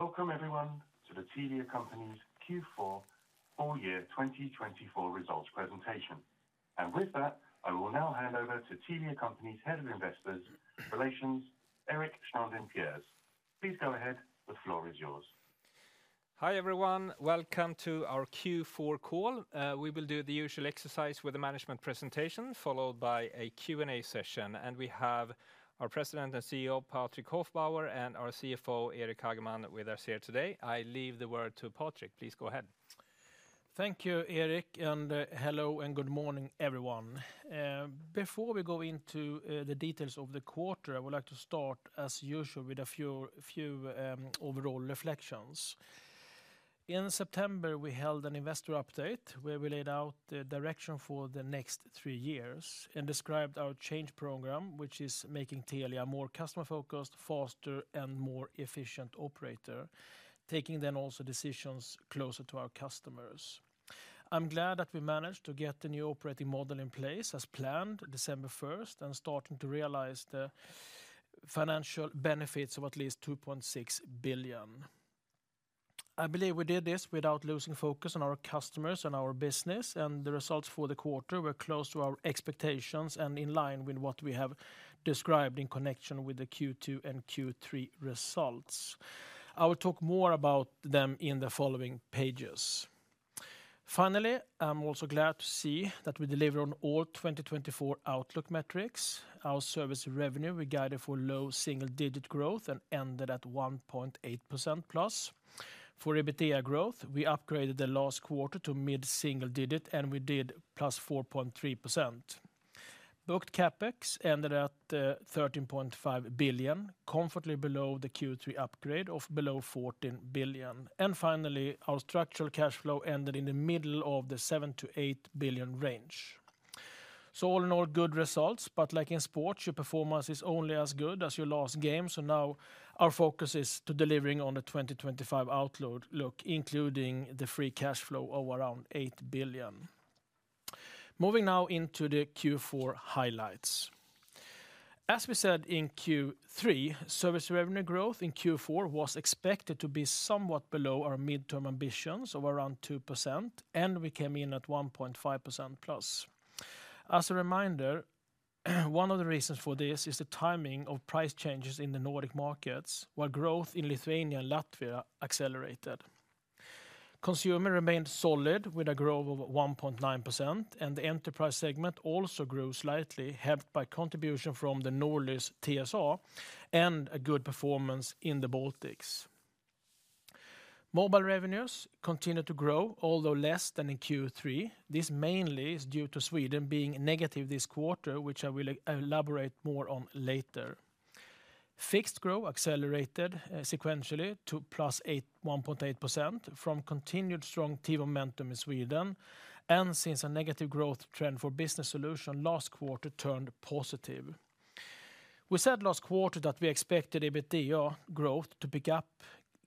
Welcome, everyone, to the Telia Company's Q4, full year 2024 results presentation. And with that, I will now hand over to Telia Company's Head of Investor Relations, Eric Hageman, Per-Arne Blomquist. Please go ahead, the floor is yours. Hi everyone, welcome to our Q4 call. We will do the usual exercise with a management presentation followed by a Q&A session. And we have our President and CEO, Patrik Hofbauer, and our CFO, Eric Hageman, with us here today. I leave the word to Patrik. Please go ahead. Thank you, Eric, and hello and good morning, everyone. Before we go into the details of the quarter, I would like to start, as usual, with a few overall reflections. In September, we held an investor update where we laid out the direction for the next three years and described our change program, which is making Telia a more customer-focused, faster, and more efficient operator, taking then also decisions closer to our customers. I'm glad that we managed to get the new operating model in place as planned December 1st and starting to realize the financial benefits of at least 2.6 billion. I believe we did this without losing focus on our customers and our business, and the results for the quarter were close to our expectations and in line with what we have described in connection with the Q2 and Q3 results. I will talk more about them in the following pages. Finally, I'm also glad to see that we delivered on all 2024 outlook metrics. Our service revenue we guided for low single-digit growth and ended at +1.8%. For EBITDA growth, we upgraded the last quarter to mid-single digit and we did +4.3%. Booked CapEx ended at 13.5 billion, comfortably below the Q3 upgrade of below 14 billion. And finally, our structural cash flow ended in the middle of the 7 billion-8 billion range. So all in all, good results, but like in sports, your performance is only as good as your last game. So now our focus is to delivering on the 2025 outlook, including the free cash flow of around 8 billion. Moving now into the Q4 highlights. As we said in Q3, service revenue growth in Q4 was expected to be somewhat below our midterm ambitions of around 2%, and we came in at 1.5% plus. As a reminder, one of the reasons for this is the timing of price changes in the Nordic markets, where growth in Lithuania and Latvia accelerated. Consumer remained solid with a growth of 1.9%, and the enterprise segment also grew slightly, helped by contribution from the Norlys TSA and a good performance in the Baltics. Mobile revenues continued to grow, although less than in Q3. This mainly is due to Sweden being negative this quarter, which I will elaborate more on later. Fixed growth accelerated sequentially to plus 1.8% from continued strong TV momentum in Sweden, and since a negative growth trend for business solution last quarter turned positive. We said last quarter that we expected EBITDA growth to pick up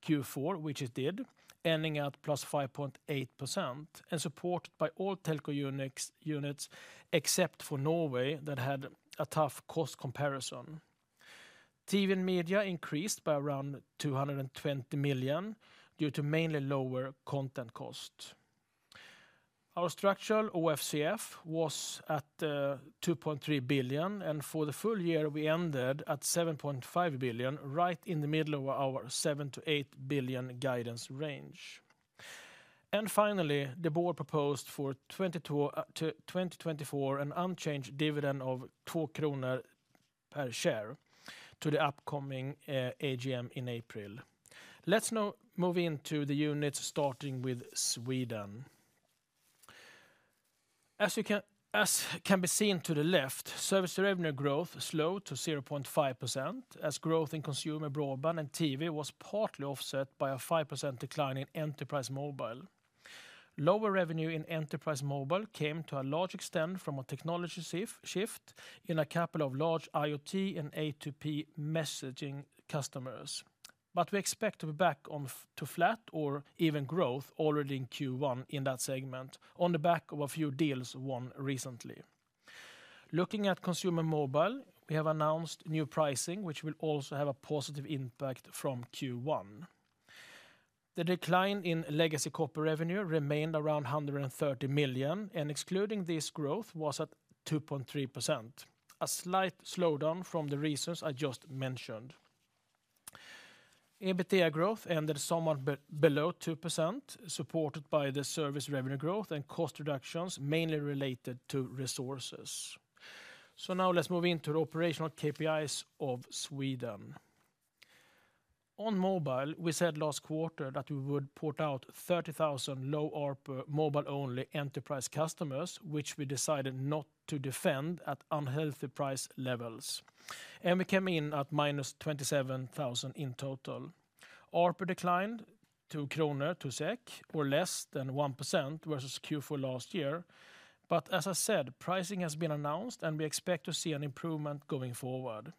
Q4, which it did, ending at 5.8% and supported by all telco units except for Norway that had a tough cost comparison. TV and media increased by around 220 million due to mainly lower content cost. Our structural OFCF was at 2.3 billion, and for the full year we ended at 7.5 billion, right in the middle of our 7 billion to 8 billion guidance range. And finally, the board proposed for 2024 an unchanged dividend of 2 kronor per share to the upcoming AGM in April. Let's now move into the units starting with Sweden. As can be seen to the left, service revenue growth slowed to 0.5% as growth in consumer broadband and TV was partly offset by a 5% decline in enterprise mobile. Lower revenue in enterprise mobile came to a large extent from a technology shift in a couple of large IoT and A2P messaging customers. But we expect to be back on to flat or even growth already in Q1 in that segment on the back of a few deals won recently. Looking at consumer mobile, we have announced new pricing, which will also have a positive impact from Q1. The decline in legacy corporate revenue remained around 130 million, and excluding this growth was at 2.3%, a slight slowdown from the reasons I just mentioned. EBITDA growth ended somewhat below 2%, supported by the service revenue growth and cost reductions mainly related to resources. So now let's move into the operational KPIs of Sweden. On mobile, we said last quarter that we would port out 30,000 low ARPU mobile-only enterprise customers, which we decided not to defend at unhealthy price levels. We came in at minus 27,000 in total. ARPU declined 2 kronor to SEK or less than 1% versus Q4 last year. As I said, pricing has been announced and we expect to see an improvement going forward.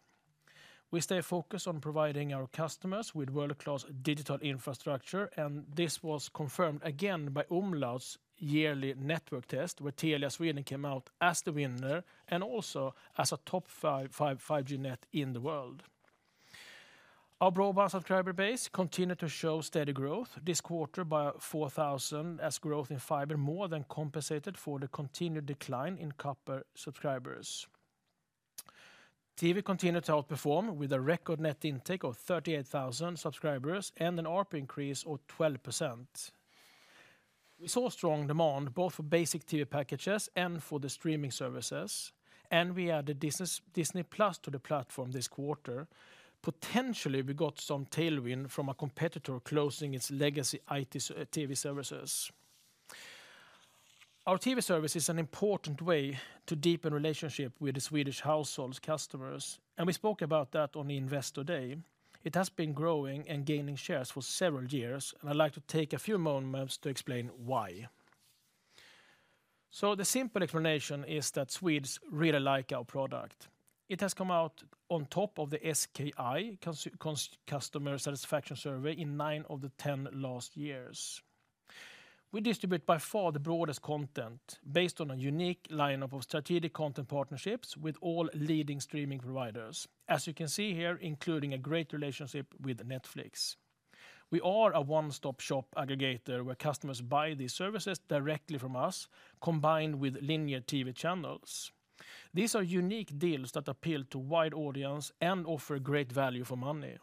We stay focused on providing our customers with world-class digital infrastructure, and this was confirmed again by Umlaut's yearly network test where Telia Sweden came out as the winner and also as a top five 5G net in the world. Our broadband subscriber base continued to show steady growth this quarter by 4,000 as growth in fiber more than compensated for the continued decline in copper subscribers. TV continued to outperform with a record net intake of 38,000 subscribers and an ARPU increase of 12%. We saw strong demand both for basic TV packages and for the streaming services, and we added Disney+ to the platform this quarter. Potentially, we got some tailwind from a competitor closing its legacy IT TV services. Our TV service is an important way to deepen relationships with the Swedish households' customers, and we spoke about that on Investor Day. It has been growing and gaining shares for several years, and I'd like to take a few moments to explain why so the simple explanation is that Swedes really like our product. It has come out on top of the SKI customer satisfaction survey in nine of the ten last years. We distribute by far the broadest content based on a unique lineup of strategic content partnerships with all leading streaming providers, as you can see here, including a great relationship with Netflix. We are a one-stop shop aggregator where customers buy these services directly from us, combined with linear TV channels. These are unique deals that appeal to a wide audience and offer great value for money.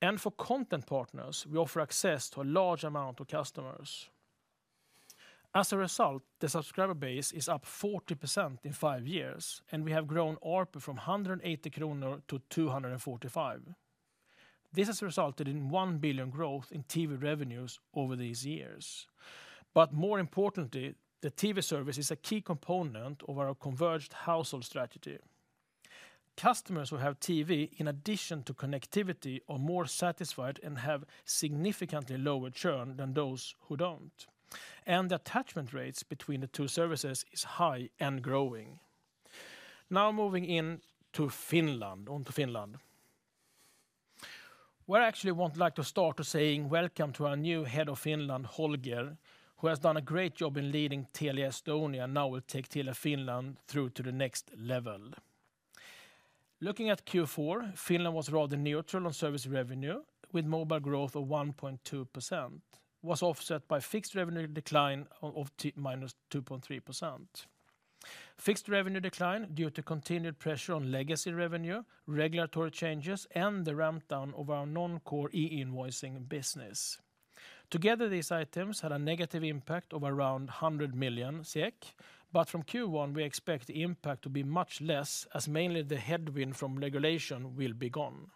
And for content partners, we offer access to a large amount of customers. As a result, the subscriber base is up 40% in five years, and we have grown ARPU from 180 kronor to 245. This has resulted in 1 billion growth in TV revenues over these years. But more importantly, the TV service is a key component of our converged household strategy. Customers who have TV, in addition to connectivity, are more satisfied and have significantly lower churn than those who don't. The attachment rates between the two services are high and growing. Now moving into Finland. We actually would like to start by saying welcome to our new Head of Finland, Holger, who has done a great job in leading Telia Estonia and now will take Telia Finland through to the next level. Looking at Q4, Finland was rather neutral on service revenue, with mobile growth of 1.2%, which was offset by fixed revenue decline of -2.3%. Fixed revenue decline due to continued pressure on legacy revenue, regulatory changes, and the ramp down of our non-core e-invoicing business. Together, these items had a negative impact of around 100 million, but from Q1, we expect the impact to be much less, as mainly the headwind from regulation will be gone.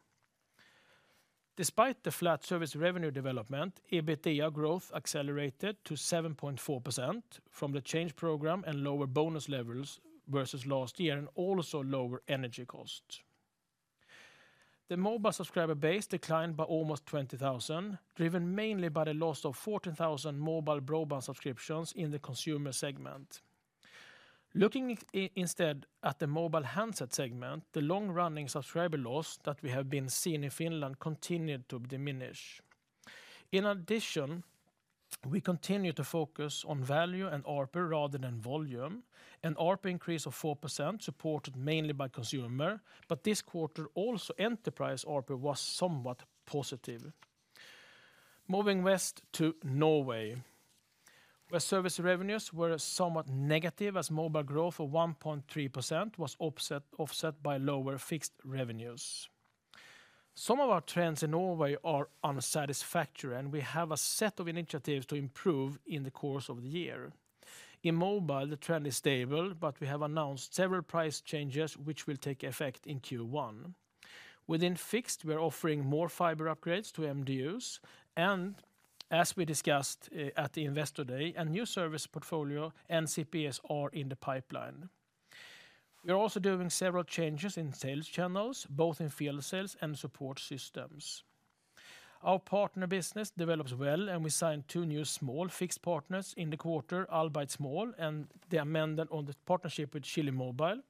Despite the flat service revenue development, EBITDA growth accelerated to 7.4% from the change program and lower bonus levels versus last year, and also lower energy costs. The mobile subscriber base declined by almost 20,000, driven mainly by the loss of 14,000 mobile broadband subscriptions in the consumer segment. Looking instead at the mobile handset segment, the long-running subscriber loss that we have been seeing in Finland continued to diminish. In addition, we continue to focus on value and ARPU rather than volume. An ARPU increase of 4% supported mainly by consumers, but this quarter also enterprise ARPU was somewhat positive. Moving west to Norway, where service revenues were somewhat negative as mobile growth of 1.3% was offset by lower fixed revenues. Some of our trends in Norway are unsatisfactory, and we have a set of initiatives to improve in the course of the year. In mobile, the trend is stable, but we have announced several price changes which will take effect in Q1. Within fixed, we are offering more fiber upgrades to MDUs, and as we discussed at the Investor Day, a new service portfolio and CPEs are in the pipeline. We are also doing several changes in sales channels, both in field sales and support systems. Our partner business develops well, and we signed two new small fixed partners in the quarter, albeit small, and they amended on the partnership with Chilimobil,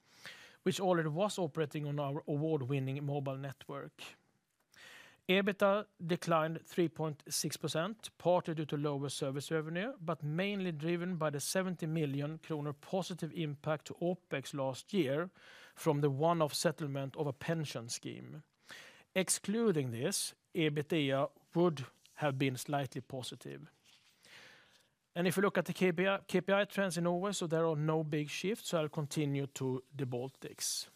which already was operating on our award-winning mobile network. EBITDA declined 3.6%, partly due to lower service revenue, but mainly driven by the 70 million kronor positive impact to OpEx last year from the one-off settlement of a pension scheme. Excluding this, EBITDA would have been slightly positive. If we look at the KPI trends in Norway, so there are no big shifts, so I'll continue to the Baltics.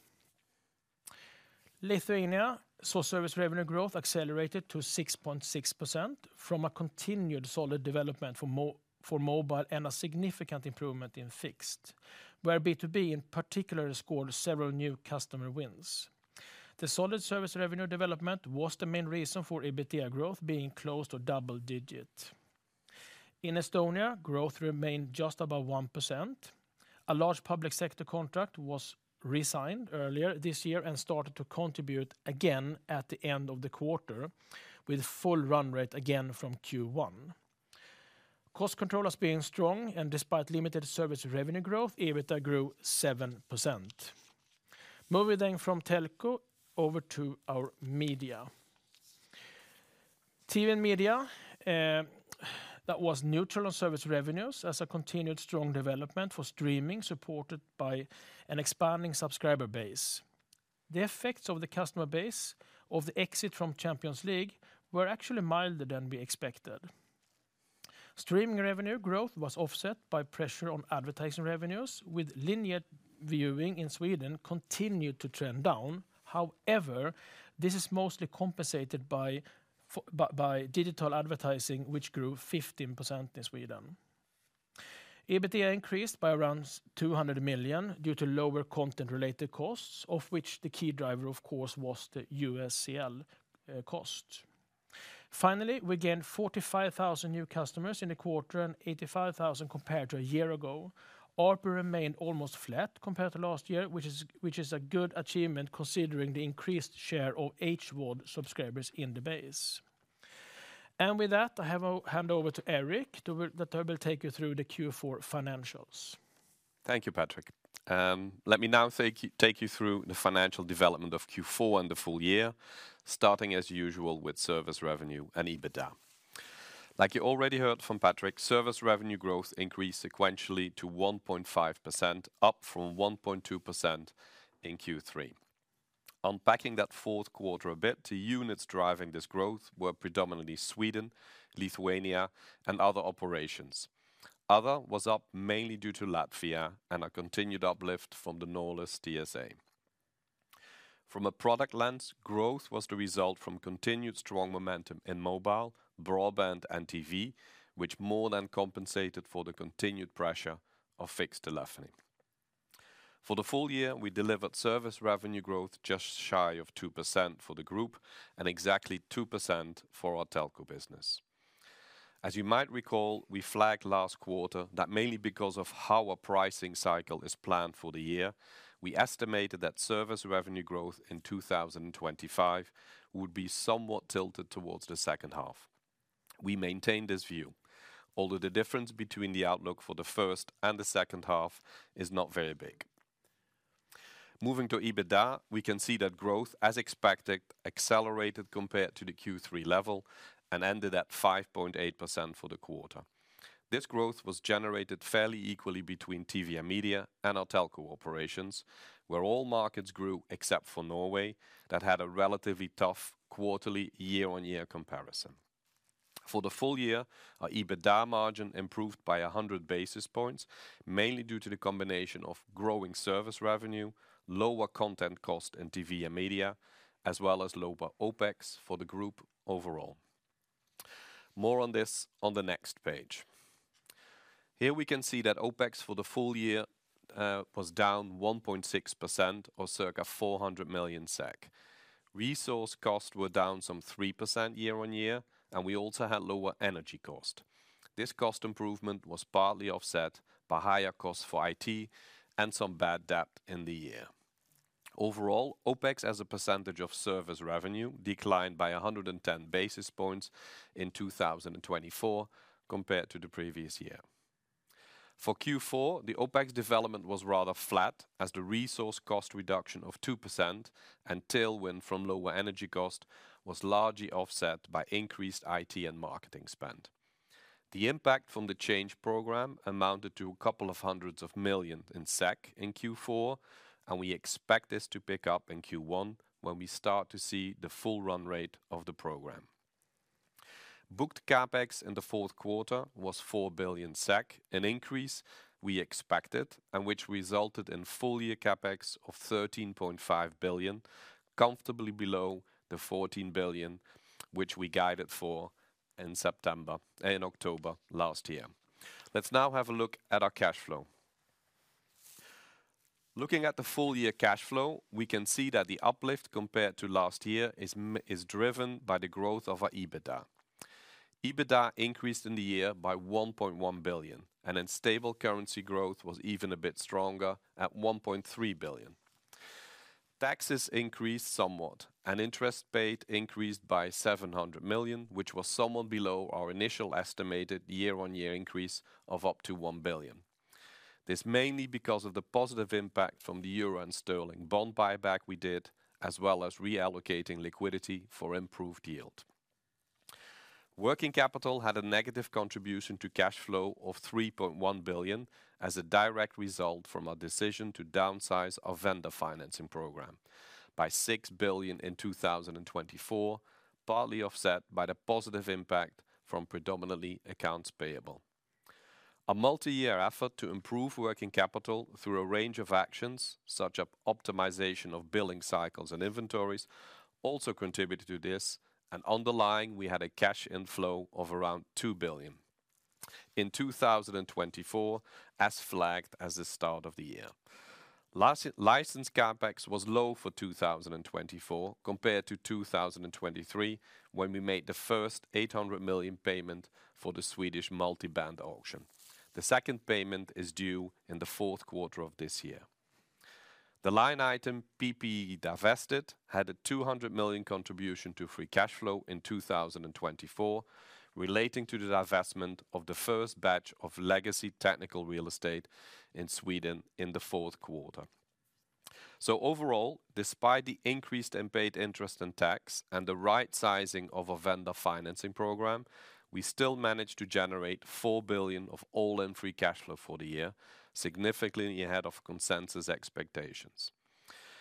Lithuania saw service revenue growth accelerated to 6.6% from a continued solid development for mobile and a significant improvement in fixed, where B2B in particular scored several new customer wins. The solid service revenue development was the main reason for EBITDA growth being close to double digit. In Estonia, growth remained just above 1%. A large public sector contract was re-signed earlier this year and started to contribute again at the end of the quarter with full run rate again from Q1. Cost control has been strong, and despite limited service revenue growth, EBITDA grew 7%. Moving then from telco over to our media. TV and media, that was neutral on service revenues as a continued strong development for streaming supported by an expanding subscriber base. The effects of the customer base of the exit from Champions League were actually milder than we expected. Streaming revenue growth was offset by pressure on advertising revenues, with linear viewing in Sweden continued to trend down. However, this is mostly compensated by digital advertising, which grew 15% in Sweden. EBITDA increased by around 200 million due to lower content-related costs, of which the key driver, of course, was the UCL cost. Finally, we gained 45,000 new customers in the quarter and 85,000 compared to a year ago. ARPU remained almost flat compared to last year, which is a good achievement considering the increased share of HVOD subscribers in the base. And with that, I hand over to Eric that will take you through the Q4 financials. Thank you, Patrik. Let me now take you through the financial development of Q4 and the full year, starting as usual with service revenue and EBITDA. Like you already heard from Patrik, service revenue growth increased sequentially to 1.5%, up from 1.2% in Q3. Unpacking that fourth quarter a bit, the units driving this growth were predominantly Sweden, Lithuania, and other operations. Other was up mainly due to Latvia and a continued uplift from the Norway TSA. From a product lens, growth was the result from continued strong momentum in mobile, broadband, and TV, which more than compensated for the continued pressure of fixed telephony. For the full year, we delivered service revenue growth just shy of 2% for the group and exactly 2% for our telco business. As you might recall, we flagged last quarter that mainly because of how our pricing cycle is planned for the year, we estimated that service revenue growth in 2025 would be somewhat tilted towards the second half. We maintain this view, although the difference between the outlook for the first and the second half is not very big. Moving to EBITDA, we can see that growth, as expected, accelerated compared to the Q3 level and ended at 5.8% for the quarter. This growth was generated fairly equally between TV and media and our telco operations, where all markets grew except for Norway that had a relatively tough quarterly year-on-year comparison. For the full year, our EBITDA margin improved by 100 basis points, mainly due to the combination of growing service revenue, lower content cost in TV and media, as well as lower OpEx for the group overall. More on this on the next page. Here we can see that OpEx for the full year was down 1.6% or circa 400 million SEK. Resource costs were down some 3% year-on-year, and we also had lower energy cost. This cost improvement was partly offset by higher costs for IT and some bad debt in the year. Overall, OpEx as a percentage of service revenue declined by 110 basis points in 2024 compared to the previous year. For Q4, the OpEx development was rather flat, as the resource cost reduction of 2% and tailwind from lower energy cost was largely offset by increased IT and marketing spend. The impact from the change program amounted to 200 million in Q4, and we expect this to pick up in Q1 when we start to see the full run rate of the program. Booked CapEx in the fourth quarter was 4 billion SEK, an increase we expected and which resulted in full year CapEx of 13.5 billion, comfortably below the 14 billion which we guided for in September and October last year. Let's now have a look at our cash flow. Looking at the full year cash flow, we can see that the uplift compared to last year is driven by the growth of our EBITDA. EBITDA increased in the year by 1.1 billion, and then stable currency growth was even a bit stronger at 1.3 billion. Taxes increased somewhat, and interest paid increased by 700 million, which was somewhat below our initial estimated year-on-year increase of up to 1 billion. This is mainly because of the positive impact from the euro and sterling bond buyback we did, as well as reallocating liquidity for improved yield. Working capital had a negative contribution to cash flow of 3.1 billion as a direct result from our decision to downsize our vendor financing program by 6 billion in 2024, partly offset by the positive impact from predominantly accounts payable. A multi-year effort to improve working capital through a range of actions, such as optimization of billing cycles and inventories, also contributed to this, and underlying we had a cash inflow of around 2 billion in 2024, as flagged at the start of the year. License CapEx was low for 2024 compared to 2023 when we made the first 800 million payment for the Swedish multi-band auction. The second payment is due in the fourth quarter of this year. The line item PP&E divestment had a 200 million contribution to free cash flow in 2024, relating to the divestment of the first batch of legacy technical real estate in Sweden in the fourth quarter. So overall, despite the increased unpaid interest and tax and the right sizing of our vendor financing program, we still managed to generate 4 billion of all-in free cash flow for the year, significantly ahead of consensus expectations.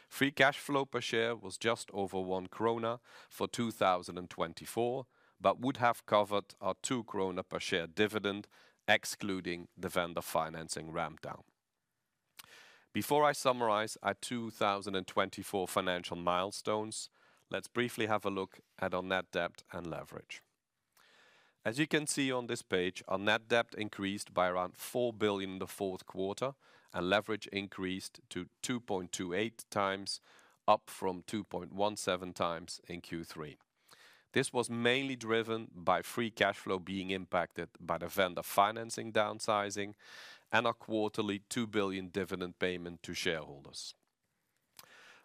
Free cash flow per share was just over 1 krona for 2024, but would have covered our 2 krona per share dividend, excluding the vendor financing ramp down. Before I summarize our 2024 financial milestones, let's briefly have a look at our net debt and leverage. As you can see on this page, our net debt increased by around 4 billion in the fourth quarter, and leverage increased to 2.28 times, up from 2.17 times in Q3. This was mainly driven by free cash flow being impacted by the vendor financing downsizing and our quarterly 2 billion dividend payment to shareholders.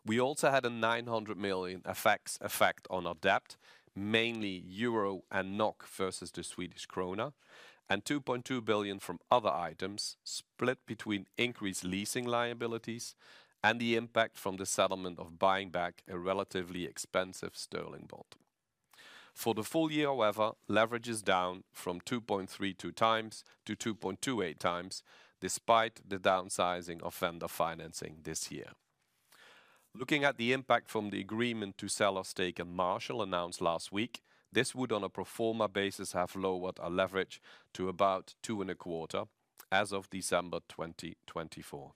We also had a 900 million effect on our debt, mainly EUR and NOK versus the Swedish krona, and 2.2 billion from other items split between increased leasing liabilities and the impact from the settlement of buying back a relatively expensive sterling bond. For the full year, however, leverage is down from 2.32 times to 2.28 times, despite the downsizing of vendor financing this year. Looking at the impact from the agreement to sell off stake in uncertain announced last week, this would on a pro forma basis have lowered our leverage to about two and a quarter as of December 2024.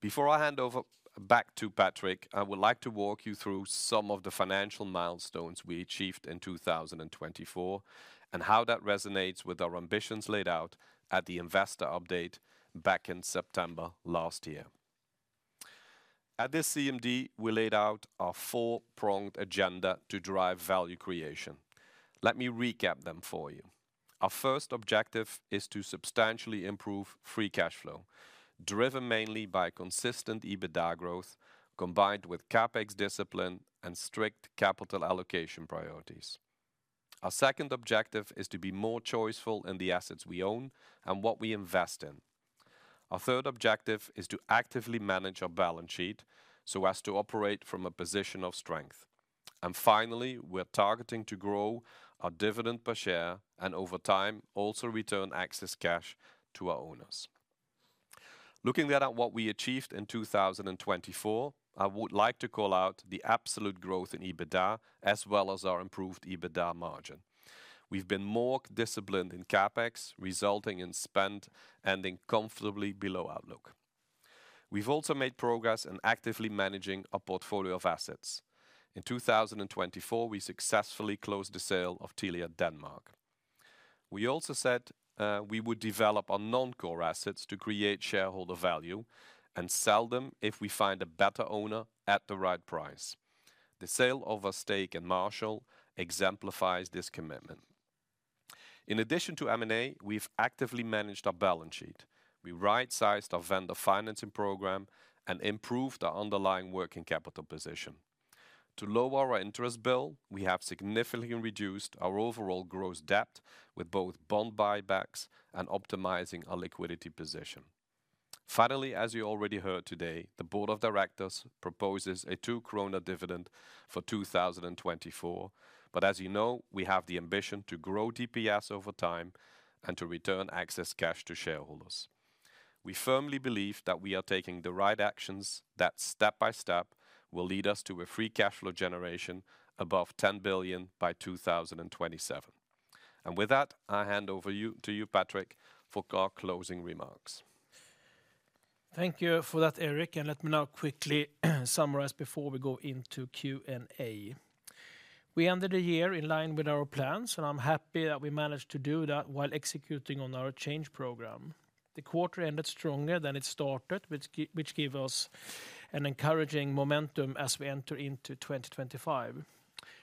Before I hand over back to Patrik, I would like to walk you through some of the financial milestones we achieved in 2024 and how that resonates with our ambitions laid out at the Investor Update back in September last year. At this CMD, we laid out our four-pronged agenda to drive value creation. Let me recap them for you. Our first objective is to substantially improve free cash flow, driven mainly by consistent EBITDA growth combined with CapEx discipline and strict capital allocation priorities. Our second objective is to be more choiceful in the assets we own and what we invest in. Our third objective is to actively manage our balance sheet so as to operate from a position of strength. And finally, we're targeting to grow our dividend per share and over time also return excess cash to our owners. Looking at what we achieved in 2024, I would like to call out the absolute growth in EBITDA as well as our improved EBITDA margin. We've been more disciplined in CapEx, resulting in spend ending comfortably below outlook. We've also made progress in actively managing our portfolio of assets. In 2024, we successfully closed the sale of Telia Denmark. We also said we would develop our non-core assets to create shareholder value and sell them if we find a better owner at the right price. The sale of our stake in metal exemplifies this commitment. In addition to M&A, we've actively managed our balance sheet. We right-sized our vendor financing program and improved our underlying working capital position. To lower our interest bill, we have significantly reduced our overall gross debt with both bond buybacks and optimizing our liquidity position. Finally, as you already heard today, the Board of Directors proposes a 2 krona dividend for 2024, but as you know, we have the ambition to grow DPS over time and to return excess cash to shareholders. We firmly believe that we are taking the right actions that step by step will lead us to a free cash flow generation above 10 billion by 2027. And with that, I hand over to you, Patrik, for our closing remarks. Thank you for that, Eric. And let me now quickly summarize before we go into Q&A. We ended the year in line with our plans, and I'm happy that we managed to do that while executing on our change program. The quarter ended stronger than it started, which gave us an encouraging momentum as we enter into 2025.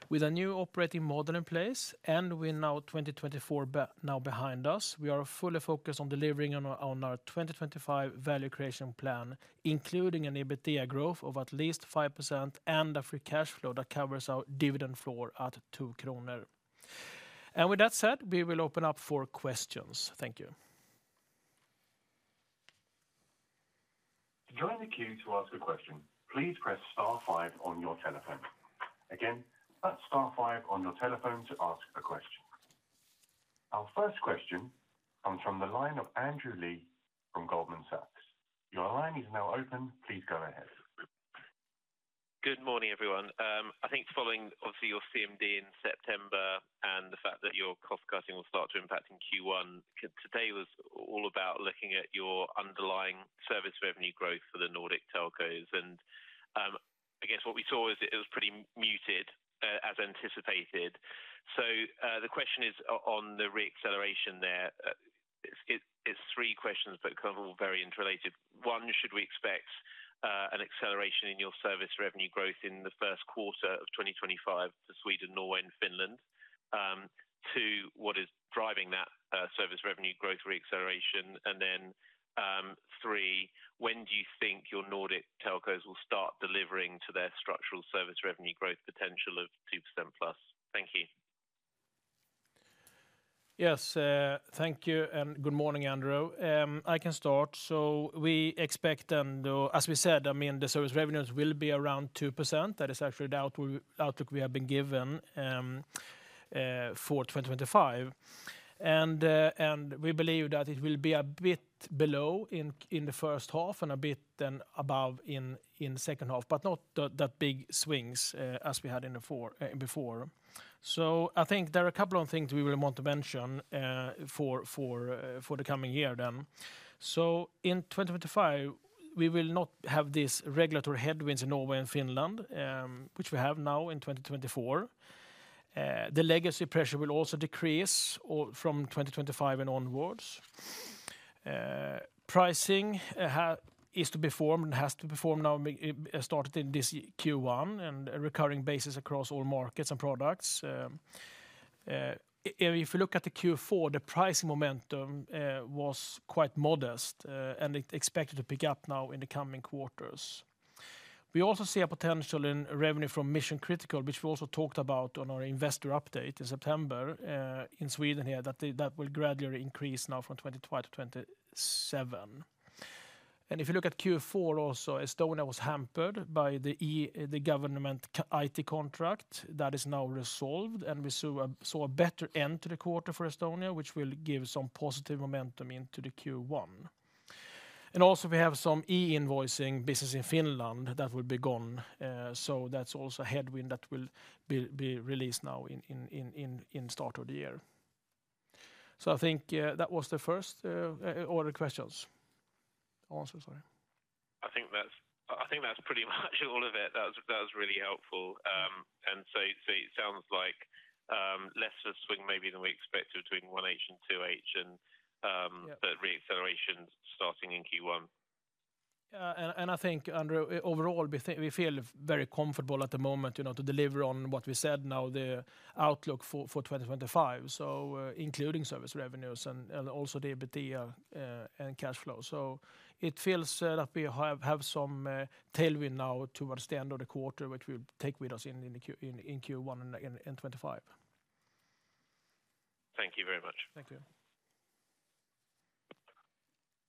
With a new operating model in place and with 2024 now behind us, we are fully focused on delivering on our 2025 value creation plan, including an EBITDA growth of at least 5% and a free cash flow that covers our dividend floor at 2 kronor. And with that said, we will open up for questions. Thank you. Join the queue to ask a question. Please press star five on your telephone. Again, that's star five on your telephone to ask a question. Our first question comes from the line of Andrew Lee from Goldman Sachs. Your line is now open. Please go ahead. Good morning, everyone. I think following, obviously, your CMD in September and the fact that your cost cutting will start to impact in Q1, today was all about looking at your underlying service revenue growth for the Nordic telcos. I guess what we saw is it was pretty muted as anticipated. So the question is on the reacceleration there. It's three questions, but kind of all very interrelated. One, should we expect an acceleration in your service revenue growth in the first quarter of 2025 for Sweden, Norway, and Finland? Two, what is driving that service revenue growth reacceleration? And then three, when do you think your Nordic telcos will start delivering to their structural service revenue growth potential of 2% plus? Thank you. Yes, thank you and good morning, Andrew. I can start. So we expect, and as we said, I mean, the service revenues will be around 2%. That is actually the outlook we have been given for 2025. And we believe that it will be a bit below in the first half and a bit above in the second half, but not that big swings as we had before. So I think there are a couple of things we will want to mention for the coming year then. So in 2025, we will not have these regulatory headwinds in Norway and Finland, which we have now in 2024. The legacy pressure will also decrease from 2025 and onwards. Pricing is to perform and has to perform now, started in this Q1 and a recurring basis across all markets and products. If we look at the Q4, the pricing momentum was quite modest and it's expected to pick up now in the coming quarters. We also see a potential in revenue from Mission Critical, which we also talked about on our investor update in September in Sweden here, that will gradually increase now from 2025 to 2027, and if you look at Q4 also, Estonia was hampered by the government IT contract that is now resolved, and we saw a better end to the quarter for Estonia, which will give some positive momentum into the Q1, and also we have some e-invoicing business in Finland that will be gone, so that's also a headwind that will be released now in the start of the year, so I think that was the first order of questions. I think that's pretty much all of it. That was really helpful, and so it sounds like less of a swing maybe than we expected between 1H and 2H, and that reacceleration starting in Q1. I think, Andrew, overall, we feel very comfortable at the moment to deliver on what we said now, the outlook for 2025, so including service revenues and also the EBITDA and cash flow. It feels that we have some tailwind now towards the end of the quarter, which we'll take with us in Q1 and 25. Thank you very much.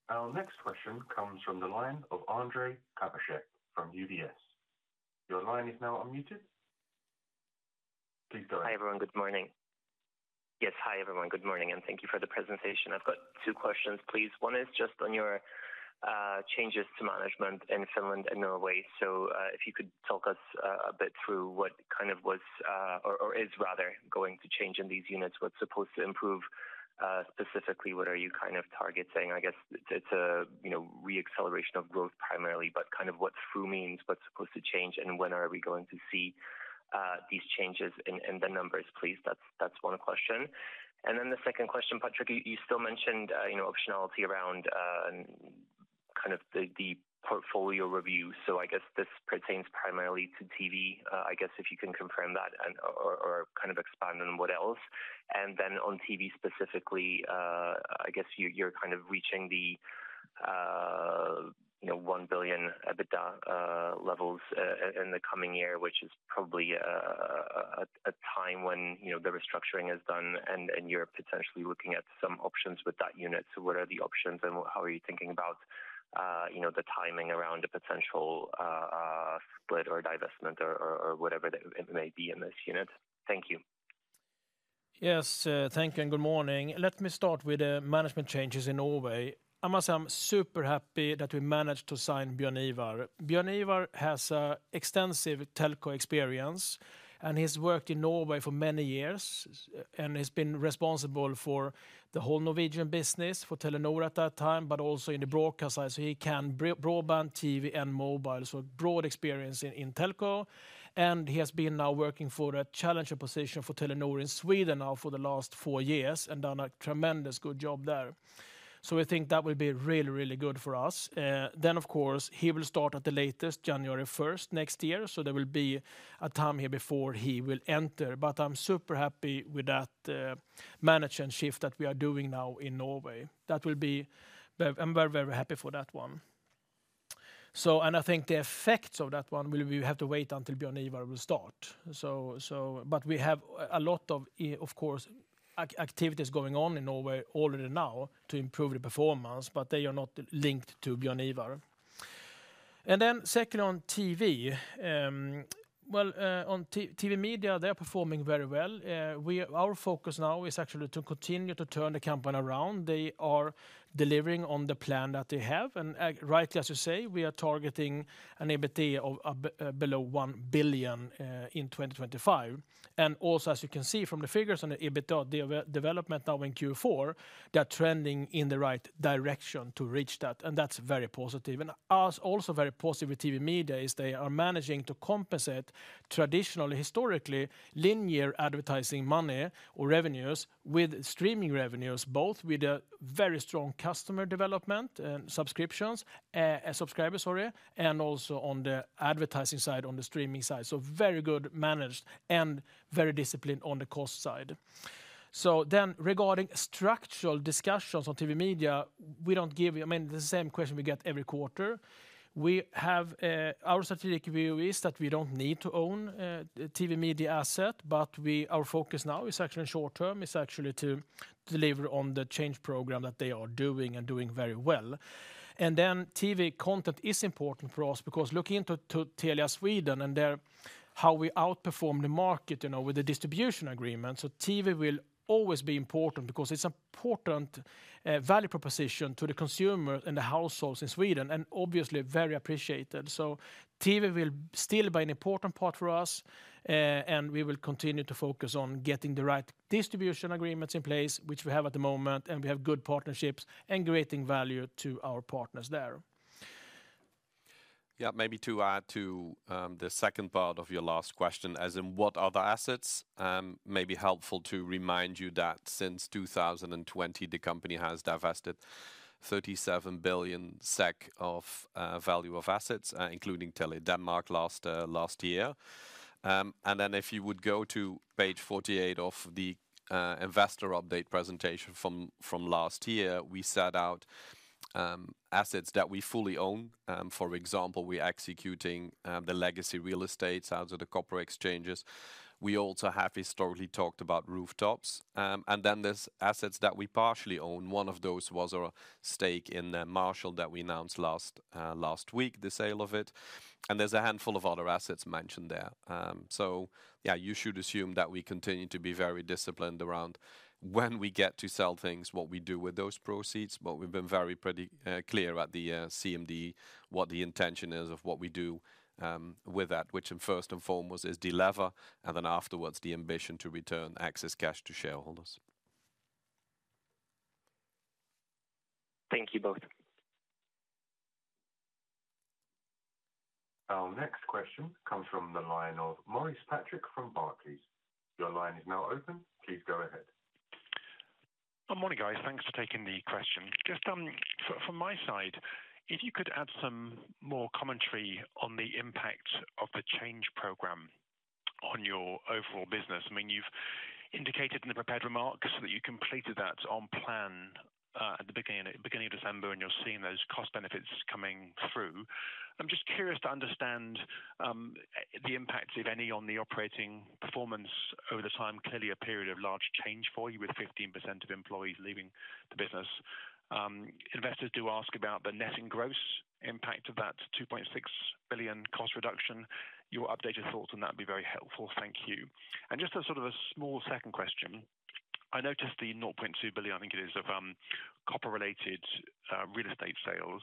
Thank you. Our next question comes from the line of Ondrej Cabejšek from UBS. Your line is now unmuted. Please go ahead. Hi everyone, good morning. Yes, hi everyone, good morning, and thank you for the presentation. I've got two questions, please. One is just on your changes to management in Finland and Norway. If you could talk us a bit through what kind of was, or is rather, going to change in these units, what's supposed to improve specifically, what are you kind of targeting? I guess it's a reacceleration of growth primarily, but kind of what through means, what's supposed to change, and when are we going to see these changes in the numbers, please? That's one question. And then the second question, Patrik, you still mentioned optionality around kind of the portfolio review. So I guess this pertains primarily to TV. I guess if you can confirm that or kind of expand on what else. And then on TV specifically, I guess you're kind of reaching the 1 billion EBITDA levels in the coming year, which is probably a time when the restructuring is done, and you're potentially looking at some options with that unit. So what are the options, and how are you thinking about the timing around a potential split or divestment or whatever it may be in this unit? Thank you. Yes, thank you and good morning. Let me start with the management changes in Norway. I must say I'm super happy that we managed to sign Bjørn Ivar. Bjørn Ivar has extensive telco experience, and he's worked in Norway for many years and has been responsible for the whole Norwegian business for Telenor at that time, but also in the broadcast side. So he can broadband, TV, and mobile, so a broad experience in telco. And he has been now working for a challenger position for Telenor in Sweden now for the last four years and done a tremendous good job there. So we think that will be really, really good for us. Then, of course, he will start at the latest January 1st next year, so there will be a time here before he will enter. But I'm super happy with that management shift that we are doing now in Norway. That will be. I'm very, very happy for that one. I think the effects of that one will be we have to wait until Bjørn Ivar will start. But we have a lot of, of course, activities going on in Norway already now to improve the performance, but they are not linked to Bjørn Ivar. And then second on TV, well, on TV media, they're performing very well. Our focus now is actually to continue to turn the company around. They are delivering on the plan that they have. And rightly as you say, we are targeting an EBITDA of below 1 billion in 2025. And also, as you can see from the figures on the EBITDA development now in Q4, they're trending in the right direction to reach that. And that's very positive. Also very positive with TV media is they are managing to compensate traditionally, historically, linear advertising money or revenues with streaming revenues, both with a very strong customer development and subscriptions, subscribers, sorry, and also on the advertising side, on the streaming side. Very good managed and very disciplined on the cost side. Then regarding structural discussions on TV media, we don't give you, I mean, the same question we get every quarter. Our strategic view is that we don't need to own TV media asset, but our focus now is actually in short term, is actually to deliver on the change program that they are doing and doing very well. TV content is important for us because look into Telia Sweden and how we outperform the market with the distribution agreement. TV will always be important because it's an important value proposition to the consumers and the households in Sweden and obviously very appreciated. TV will still be an important part for us, and we will continue to focus on getting the right distribution agreements in place, which we have at the moment, and we have good partnerships and creating value to our partners there. Yeah, maybe to add to the second part of your last question, as in what other assets, maybe helpful to remind you that since 2020, the company has divested 37 billion SEK of value of assets, including Telia Denmark last year. Then if you would go to page 48 of the investor update presentation from last year, we set out assets that we fully own. For example, we are executing the legacy real estate out of the corporate exchanges. We also have historically talked about rooftops. And then there's assets that we partially own. One of those was our stake in metal that we announced last week, the sale of it. And there's a handful of other assets mentioned there. So yeah, you should assume that we continue to be very disciplined around when we get to sell things, what we do with those proceeds. But we've been very clear at the CMD what the intention is of what we do with that, which first and foremost is deliver and then afterwards the ambition to return excess cash to shareholders. Thank you both. Our next question comes from the line of Maurice Patrick from Barclays. Your line is now open. Please go ahead. Good morning, guys. Thanks for taking the question. Just from my side, if you could add some more commentary on the impact of the change program on your overall business. I mean, you've indicated in the prepared remarks that you completed that on plan at the beginning of December, and you're seeing those cost benefits coming through. I'm just curious to understand the impact, if any, on the operating performance over the time. Clearly, a period of large change for you with 15% of employees leaving the business. Investors do ask about the net in gross impact of that 2.6 billion cost reduction. Your updated thoughts on that would be very helpful. Thank you. And just as sort of a small second question, I noticed the 0.2 billion, I think it is, of copper-related real estate sales,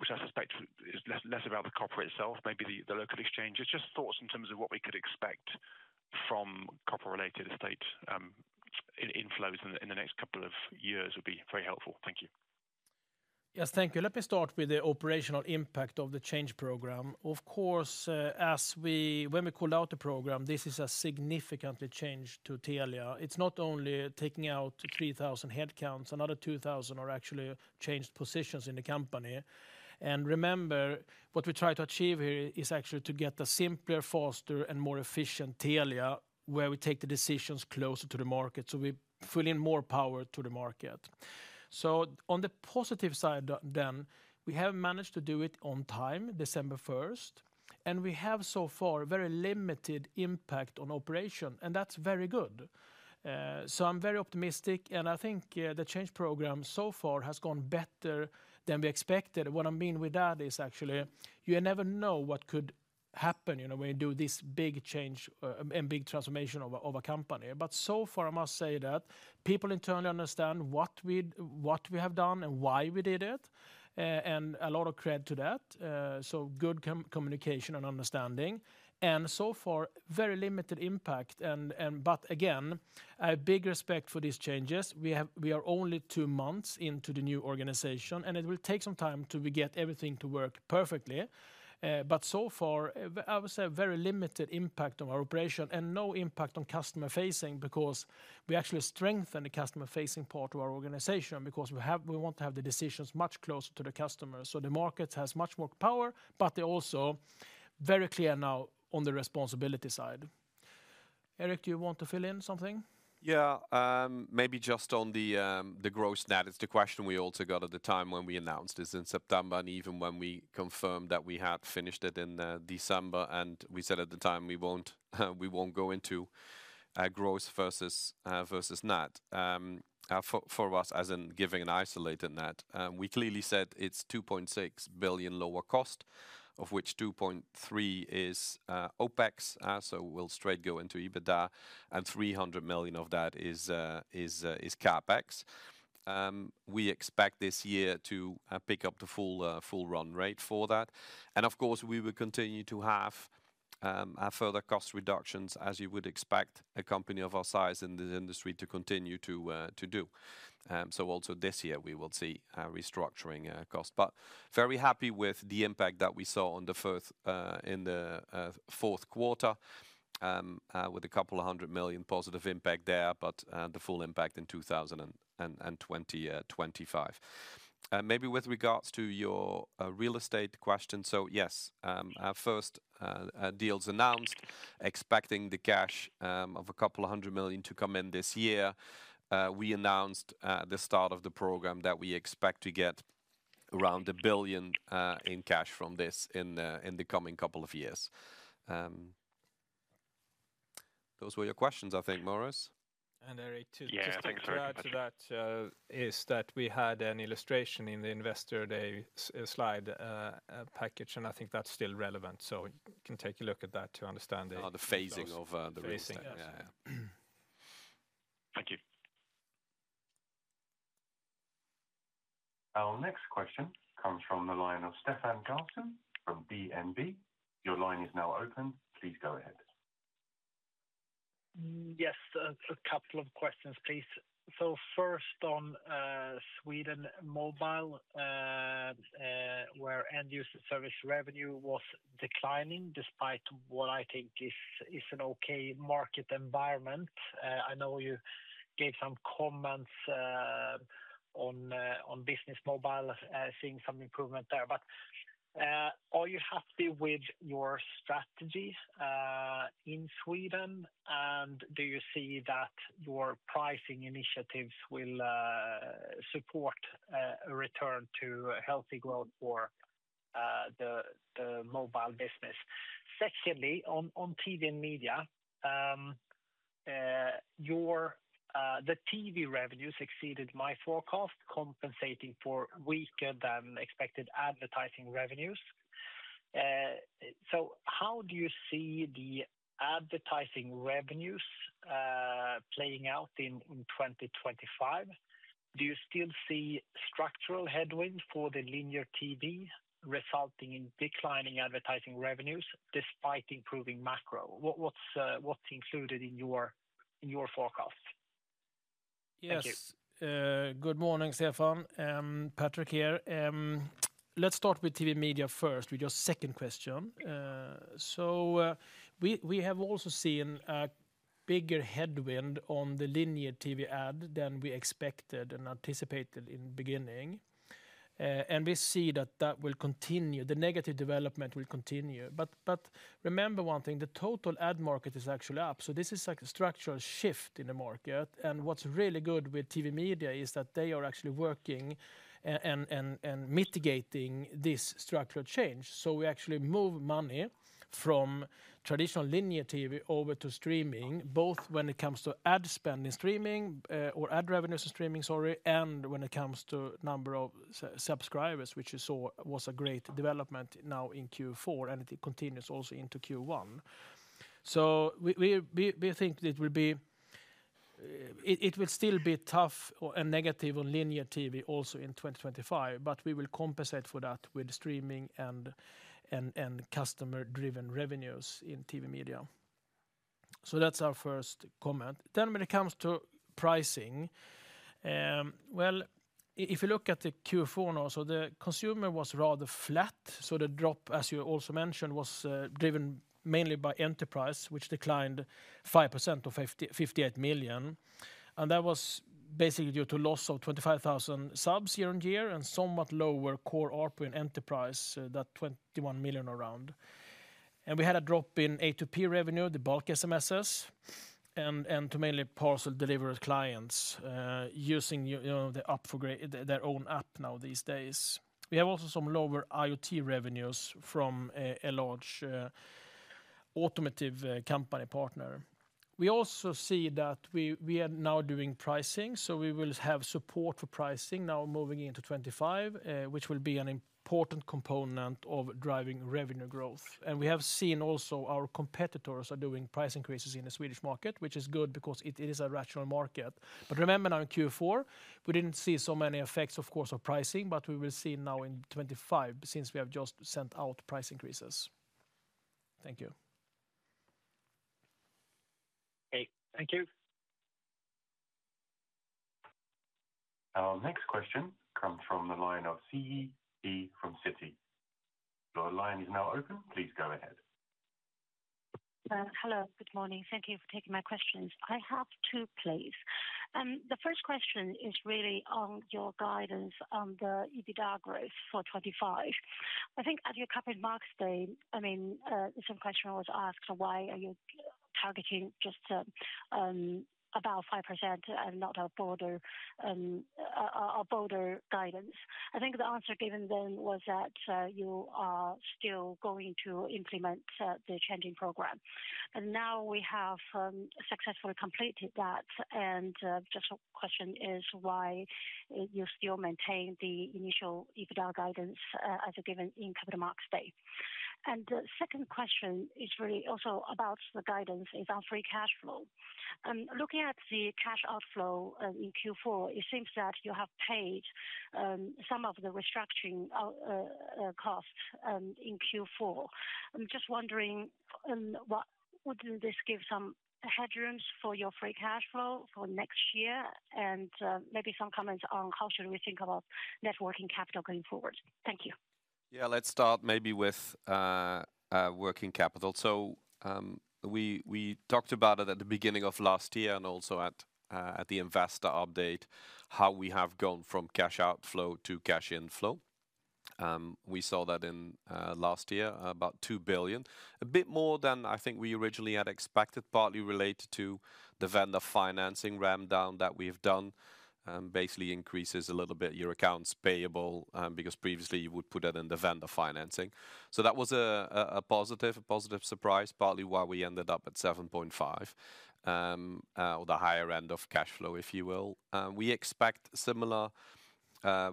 which I suspect is less about the copper itself, maybe the local exchange. It's just thoughts in terms of what we could expect from CapEx-related EBITDA inflows in the next couple of years would be very helpful. Thank you. Yes, thank you. Let me start with the operational impact of the change program. Of course, when we call out the program, this is a significant change to Telia. It's not only taking out 3,000 headcounts. Another 2,000 are actually changed positions in the company, and remember, what we try to achieve here is actually to get a simpler, faster, and more efficient Telia where we take the decisions closer to the market, so we give more power to the market. So on the positive side then, we have managed to do it on time, December 1st, and we have so far very limited impact on operation, and that's very good. I'm very optimistic, and I think the change program so far has gone better than we expected. What I mean with that is actually you never know what could happen when you do this big change and big transformation of a company. So far, I must say that people internally understand what we have done and why we did it, and a lot of credit to that. Good communication and understanding. So far, very limited impact. Again, I have big respect for these changes. We are only two months into the new organization, and it will take some time to get everything to work perfectly. But so far, I would say very limited impact on our operation and no impact on customer facing because we actually strengthened the customer facing part of our organization because we want to have the decisions much closer to the customers. So the market has much more power, but they're also very clear now on the responsibility side. Eric, do you want to fill in something? Yeah, maybe just on the gross net. It's the question we also got at the time when we announced this in September and even when we confirmed that we had finished it in December. And we said at the time we won't go into gross versus net. For us, as in giving an isolated net, we clearly said it's 2.6 billion lower cost, of which 2.3 billion is OpEx, so we'll straight go into EBITDA, and 300 million of that is CapEx. We expect this year to pick up the full run rate for that, and of course, we will continue to have further cost reductions, as you would expect a company of our size in the industry to continue to do, so also this year, we will see restructuring costs, but very happy with the impact that we saw in the fourth quarter with a couple of hundred million positive impact there, but the full impact in 2025. Maybe with regards to your real estate question, so yes, our first deals announced, expecting the cash of a couple of hundred million to come in this year. We announced the start of the program that we expect to get around a billion in cash from this in the coming couple of years. Those were your questions, I think, Maurice. And Eric, just to add to that is that we had an illustration in the investor day slide package, and I think that's still relevant. So you can take a look at that to understand the phasing of the real estate. Thank you. Our next question comes from the line of Stefan Karlsson from DNB. Your line is now open. Please go ahead. Yes, a couple of questions, please. So first on Sweden Mobile, where end-user service revenue was declining despite what I think is an okay market environment. I know you gave some comments on business mobile, seeing some improvement there. But are you happy with your strategy in Sweden? And do you see that your pricing initiatives will support a return to healthy growth for the mobile business? Secondly, on TV and media, the TV revenues exceeded my forecast, compensating for weaker than expected advertising revenues. So how do you see the advertising revenues playing out in 2025? Do you still see structural headwinds for the linear TV resulting in declining advertising revenues despite improving macro? What's included in your forecast? Yes. Good morning, Stefan. Patrik here. Let's start with TV media first with your second question. So we have also seen a bigger headwind on the linear TV ad than we expected and anticipated in the beginning. And we see that that will continue. The negative development will continue. But remember one thing, the total ad market is actually up. So this is a structural shift in the market. And what's really good with TV media is that they are actually working and mitigating this structural change. We actually move money from traditional linear TV over to streaming, both when it comes to ad spend in streaming or ad revenues in streaming, sorry, and when it comes to number of subscribers, which was a great development now in Q4, and it continues also into Q1. We think it will still be tough and negative on linear TV also in 2025, but we will compensate for that with streaming and customer-driven revenues in TV media. That's our first comment. When it comes to pricing, if you look at the Q4 now, the consumer was rather flat. The drop, as you also mentioned, was driven mainly by enterprise, which declined 5% of 58 million. That was basically due to loss of 25,000 subs year on year and somewhat lower core ARPU in enterprise, that 21 million around. And we had a drop in A2P revenue, the bulk SMSs, due to mainly parcel delivery clients using their own app now these days. We have also some lower IoT revenues from a large automotive company partner. We also see that we are now doing pricing, so we will have support for pricing now moving into 2025, which will be an important component of driving revenue growth. And we have seen also our competitors are doing price increases in the Swedish market, which is good because it is a rational market. But remember now in Q4, we didn't see so many effects, of course, of pricing, but we will see now in 2025 since we have just sent out price increases. Thank you. Okay, thank you. Our next question comes from the line of Siyi He from Citi. Your line is now open. Please go ahead. Hello, good morning. Thank you for taking my questions. I have two questions. The first question is really on your guidance on the EBITDA growth for 2025. I think at your Capital Markets Day, I mean, some question was asked, why are you targeting just about 5% and not a broader guidance? I think the answer given then was that you are still going to implement the change program. And now you have successfully completed that. And just a question is why you still maintain the initial EBITDA guidance as given in Capital Markets Day. And the second question is really also about the guidance on free cash flow. Looking at the cash outflow in Q4, it seems that you have paid some of the restructuring costs in Q4. I'm just wondering, wouldn't this give some headroom for your free cash flow for next year and maybe some comments on how should we think about working capital going forward? Thank you. Yeah, let's start maybe with working capital. So we talked about it at the beginning of last year and also at the Investor Update, how we have gone from cash outflow to cash inflow. We saw that in last year, about 2 billion, a bit more than I think we originally had expected, partly related to the vendor financing ramp down that we've done, basically increases a little bit your accounts payable because previously you would put it in the vendor financing. So that was a positive, a positive surprise, partly why we ended up at 7.5 billion or the higher end of cash flow, if you will. We expect similar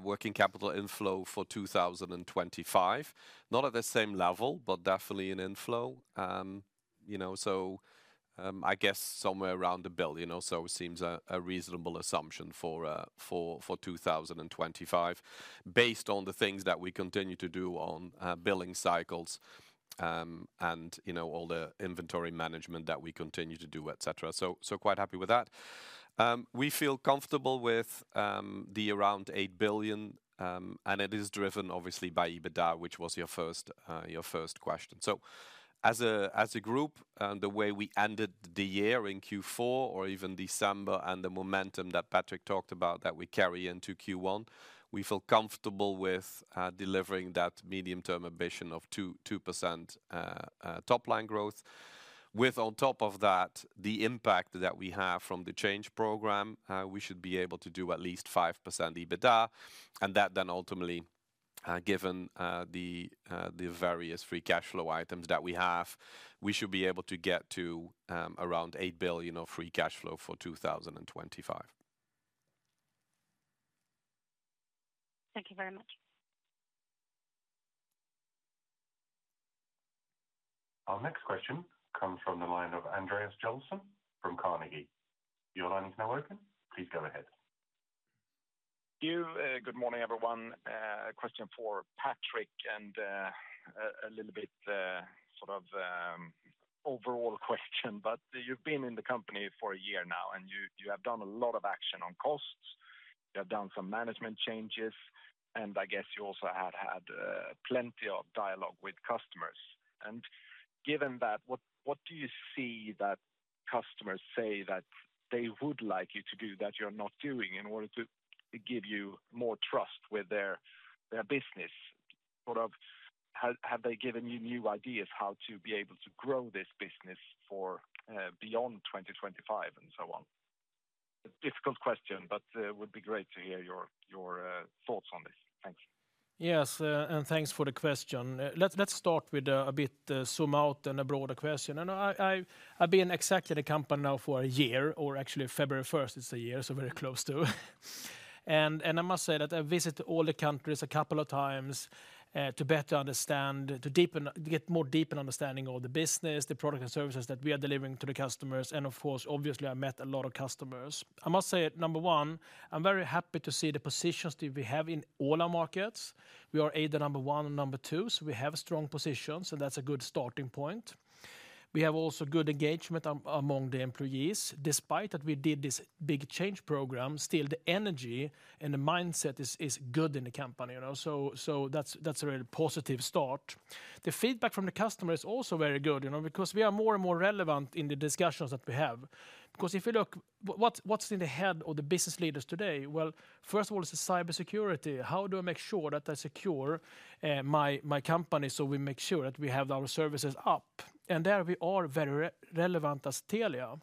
working capital inflow for 2025, not at the same level, but definitely an inflow. So I guess somewhere around 1 billion or so seems a reasonable assumption for 2025, based on the things that we continue to do on billing cycles and all the inventory management that we continue to do, etc. So quite happy with that. We feel comfortable with the around 8 billion, and it is driven obviously by EBITDA, which was your first question. So as a group, the way we ended the year in Q4 or even December and the momentum that Patrik talked about that we carry into Q1, we feel comfortable with delivering that medium-term ambition of 2% top line growth. With on top of that, the impact that we have from the change program, we should be able to do at least 5% EBITDA. That then ultimately, given the various free cash flow items that we have, we should be able to get to around 8 billion of free cash flow for 2025. Thank you very much. Our next question comes from the line of Andreas Jensen from Carnegie. Your line is now open. Please go ahead. Good morning, everyone. Question for Patrik and a little bit sort of overall question. But you've been in the company for a year now, and you have done a lot of action on costs. You have done some management changes, and I guess you also have had plenty of dialogue with customers. And given that, what do you see that customers say that they would like you to do that you're not doing in order to give you more trust with their business? Sort of, have they given you new ideas how to be able to grow this business for beyond 2025 and so on? Difficult question, but it would be great to hear your thoughts on this. Thanks. Yes, and thanks for the question. Let's start with a bit zoom out and a broader question. I've been exactly at the company now for a year, or actually February 1st is a year, so very close to. I must say that I visited all the countries a couple of times to better understand, to get more deeper understanding of the business, the product and services that we are delivering to the customers. And of course, obviously, I met a lot of customers. I must say, number one, I'm very happy to see the positions that we have in all our markets. We are either number one or number two, so we have strong positions, and that's a good starting point. We have also good engagement among the employees. Despite that we did this big change program, still the energy and the mindset is good in the company. That's a really positive start. The feedback from the customer is also very good because we are more and more relevant in the discussions that we have. Because if you look, what's in the head of the business leaders today? First of all, it's cybersecurity. How do I make sure that I secure my company so we make sure that we have our services up? There we are very relevant as Telia.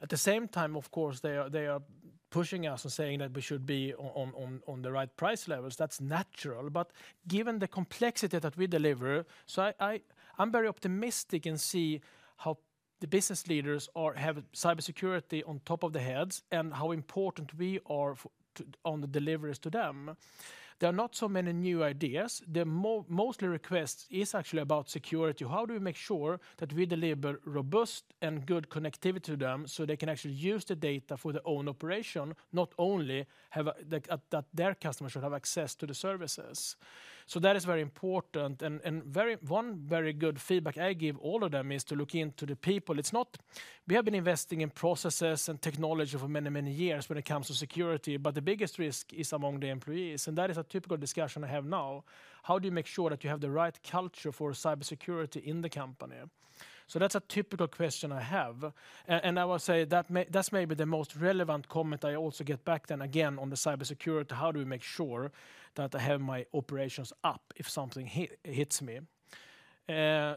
At the same time, of course, they are pushing us and saying that we should be on the right price levels. That's natural. But given the complexity that we deliver, so I'm very optimistic and see how the business leaders have cybersecurity on top of their heads and how important we are on the deliveries to them. There are not so many new ideas. The mostly request is actually about security. How do we make sure that we deliver robust and good connectivity to them so they can actually use the data for their own operation, not only that their customers should have access to the services? So that is very important. And one very good feedback I give all of them is to look into the people. It's not we have been investing in processes and technology for many, many years when it comes to security, but the biggest risk is among the employees. And that is a typical discussion I have now. How do you make sure that you have the right culture for cybersecurity in the company? So that's a typical question I have. And I will say that that's maybe the most relevant comment I also get back then again on the cybersecurity. How do we make sure that I have my operations up if something hits me?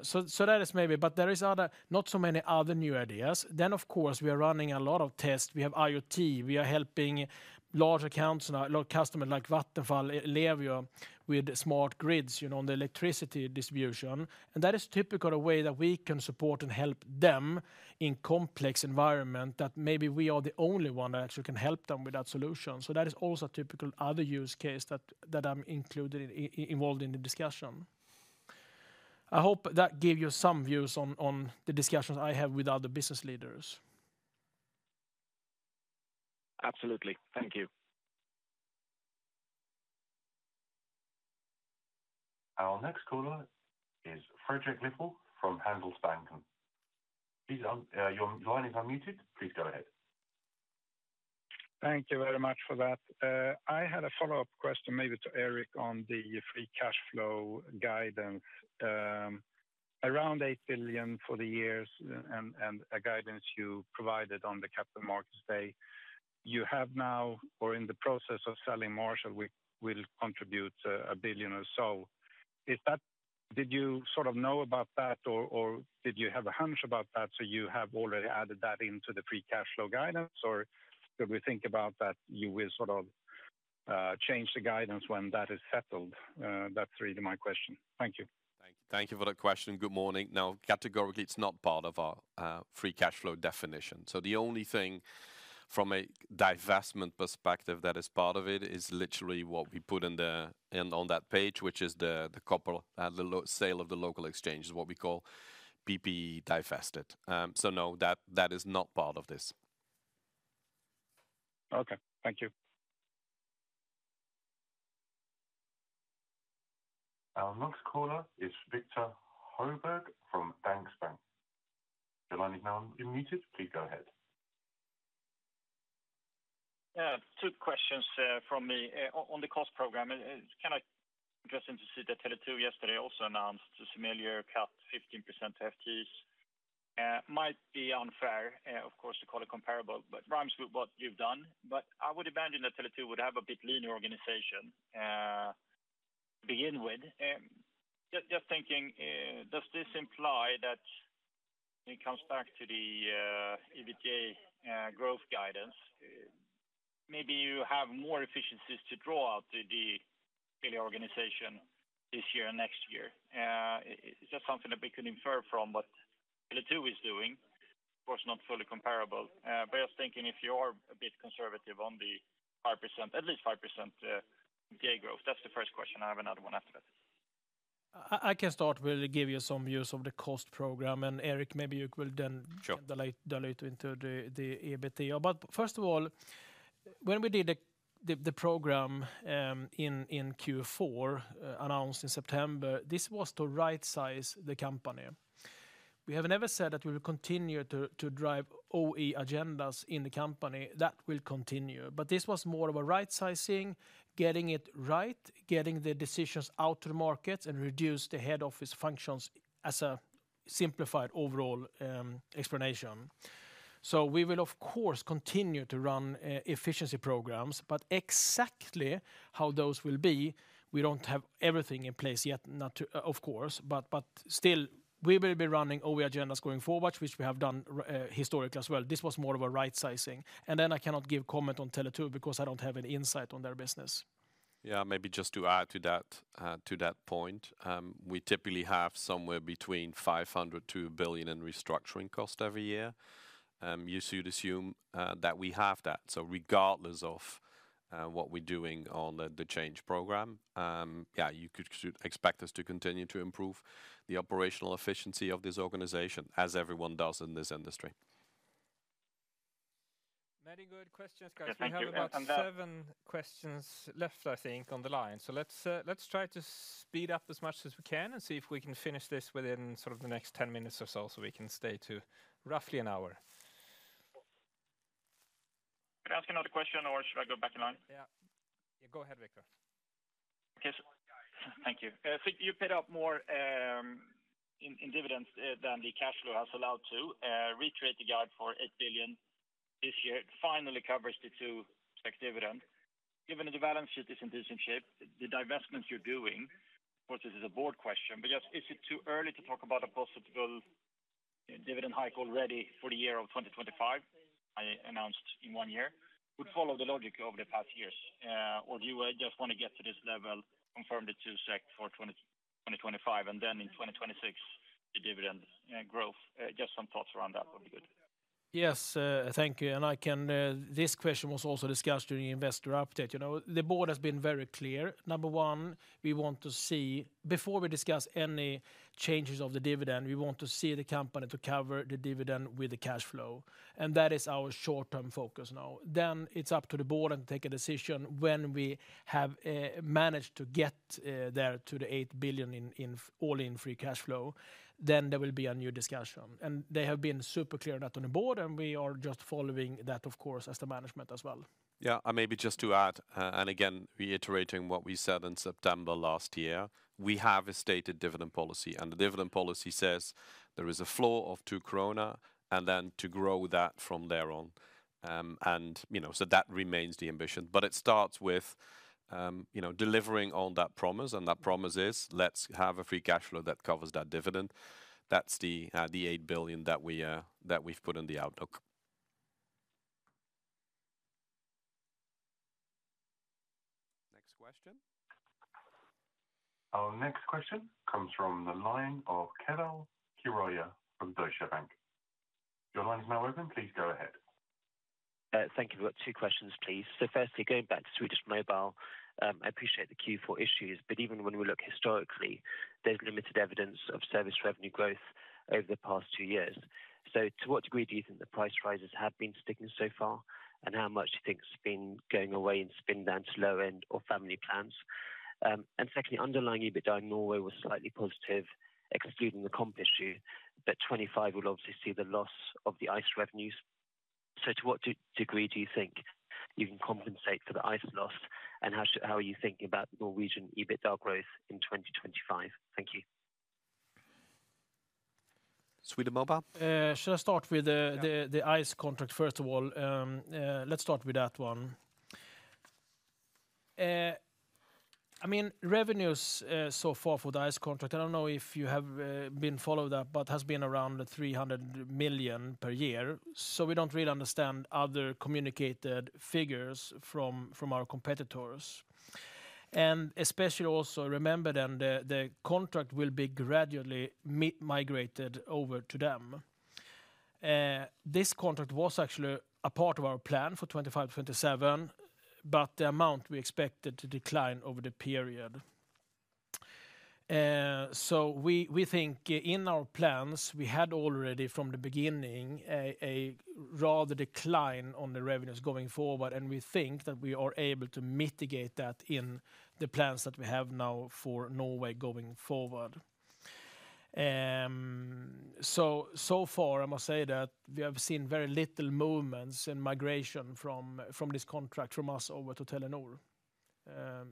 So that is maybe, but there is not so many other new ideas. Then, of course, we are running a lot of tests. We have IoT. We are helping large accounts, a lot of customers like Vattenfall, Ellevio with smart grids on the electricity distribution. And that is typical of a way that we can support and help them in complex environments that maybe we are the only one that actually can help them with that solution. So that is also a typical other use case that I'm involved in the discussion. I hope that gave you some views on the discussions I have with other business leaders. Absolutely. Thank you. Our next caller is Fredrik Lithell from Handelsbanken. Your line is unmuted. Please go ahead. Thank you very much for that. I had a follow-up question maybe to Eric on the free cash flow guidance. Around 8 billion for the years and a guidance you provided on the Capital Markets Day. You have now, or in the process of selling metal, will contribute 1 billion or so. Did you sort of know about that, or did you have a hunch about that? So you have already added that into the free cash flow guidance, or did we think about that you will sort of change the guidance when that is settled? That's really my question. Thank you. Thank you for that question. Good morning. Now, categorically, it's not part of our free cash flow definition. So the only thing from a divestment perspective that is part of it is literally what we put in on that page, which is the sale of the local exchange, what we call PPE divested. So no, that is not part of this. Okay, thank you. Our next caller is Victor Höglund from Danske Bank. The line is now unmuted. Please go ahead. Two questions from me on the cost program. Can I just interesting to see that Telenor yesterday also announced a similar cut, 15% to FTEs. Might be unfair, of course, to call it comparable, but rhymes with what you've done. But I would imagine that Telenor would have a bit leaner organization to begin with. Just thinking, does this imply that when it comes back to the EBITDA growth guidance, maybe you have more efficiencies to draw out to the organization this year and next year? It's just something that we could infer from what Telenor is doing. Of course, not fully comparable. But just thinking if you are a bit conservative on the 5%, at least 5% growth, that's the first question. I have another one after that. I can start with give you some views of the cost program. And Eric, maybe you will then delve into the EBITDA. But first of all, when we did the program in Q4, announced in September, this was to right-size the company. We have never said that we will continue to drive OpEx agendas in the company. That will continue. But this was more of a right-sizing, getting it right, getting the decisions out to the markets and reduce the head office functions as a simplified overall explanation. So we will, of course, continue to run efficiency programs, but exactly how those will be, we don't have everything in place yet, of course. But still, we will be running OpEx agendas going forward, which we have done historically as well. This was more of a right-sizing. And then I cannot give comment on Tele2 because I don't have an insight on their business. Yeah, maybe just to add to that point, we typically have somewhere between 500 million to 1 billion in restructuring costs every year. You should assume that we have that. So regardless of what we're doing on the change program, yeah, you could expect us to continue to improve the operational efficiency of this organization, as everyone does in this industry. Many good questions, guys. We have about seven questions left, I think, on the line. So let's try to speed up as much as we can and see if we can finish this within sort of the next 10 minutes or so so we can stay to roughly an hour. Can I ask another question, or should I go back in line? Yeah, go ahead, Victor. Okay, so thank you. You paid out more in dividends than the cash flow has allowed to recreate the guide for 8 billion this year. Finally, it covers the two SEK dividends. Given the balance sheet isn't in good shape, the divestments you're doing, of course, this is a board question, but just is it too early to talk about a possible dividend hike already for the year of 2025? Would follow the logic over the past years, or do you just want to get to this level, confirm the 2 SEK for 2025, and then in 2026, the dividend growth? Just some thoughts around that would be good. Yes, thank you. This question was also discussed during Investor Update. The board has been very clear. Number one, we want to see, before we discuss any changes of the dividend, we want to see the company to cover the dividend with the cash flow, and that is our short-term focus now. Then it's up to the board to take a decision when we have managed to get there to the 8 billion in all-in free cash flow. Then there will be a new discussion. And they have been super clear on that on the board, and we are just following that, of course, as the management as well. Yeah, and maybe just to add, and again, reiterating what we said in September last year, we have a stated dividend policy, and the dividend policy says there is a floor of two kronor and then to grow that from there on. And so that remains the ambition. But it starts with delivering on that promise, and that promise is, let's have a free cash flow that covers that dividend. That's the 8 billion that we've put in the outlook. Next question. Our next question comes from the line of Keval Khiroya from Deutsche Bank. Your line is now open. Please go ahead. Thank you. We've got two questions, please. So firstly, going back to Swedish Mobile, I appreciate the Q4 issues, but even when we look historically, there's limited evidence of service revenue growth over the past two years. So to what degree do you think the price rises have been sticking so far, and how much do you think has been going away and spin down to low-end or family plans? And secondly, underlying EBITDA in Norway was slightly positive, excluding the comp issue, but 2025 will obviously see the loss of the Ice revenues. So to what degree do you think you can compensate for the Ice loss, and how are you thinking about Norwegian EBITDA growth in 2025? Thank you. Sweden Mobile. Should I start with the Ice contract first of all? Let's start with that one. I mean, revenues so far for the Ice contract, I don't know if you have been following that, but has been around 300 million per year. So we don't really understand other communicated figures from our competitors. Especially also remember then the contract will be gradually migrated over to them. This contract was actually a part of our plan for 2025-2027, but the amount we expected to decline over the period. We think in our plans, we had already from the beginning a rather decline on the revenues going forward, and we think that we are able to mitigate that in the plans that we have now for Norway going forward. So far, I must say that we have seen very little movements in migration from this contract from us over to Telenor.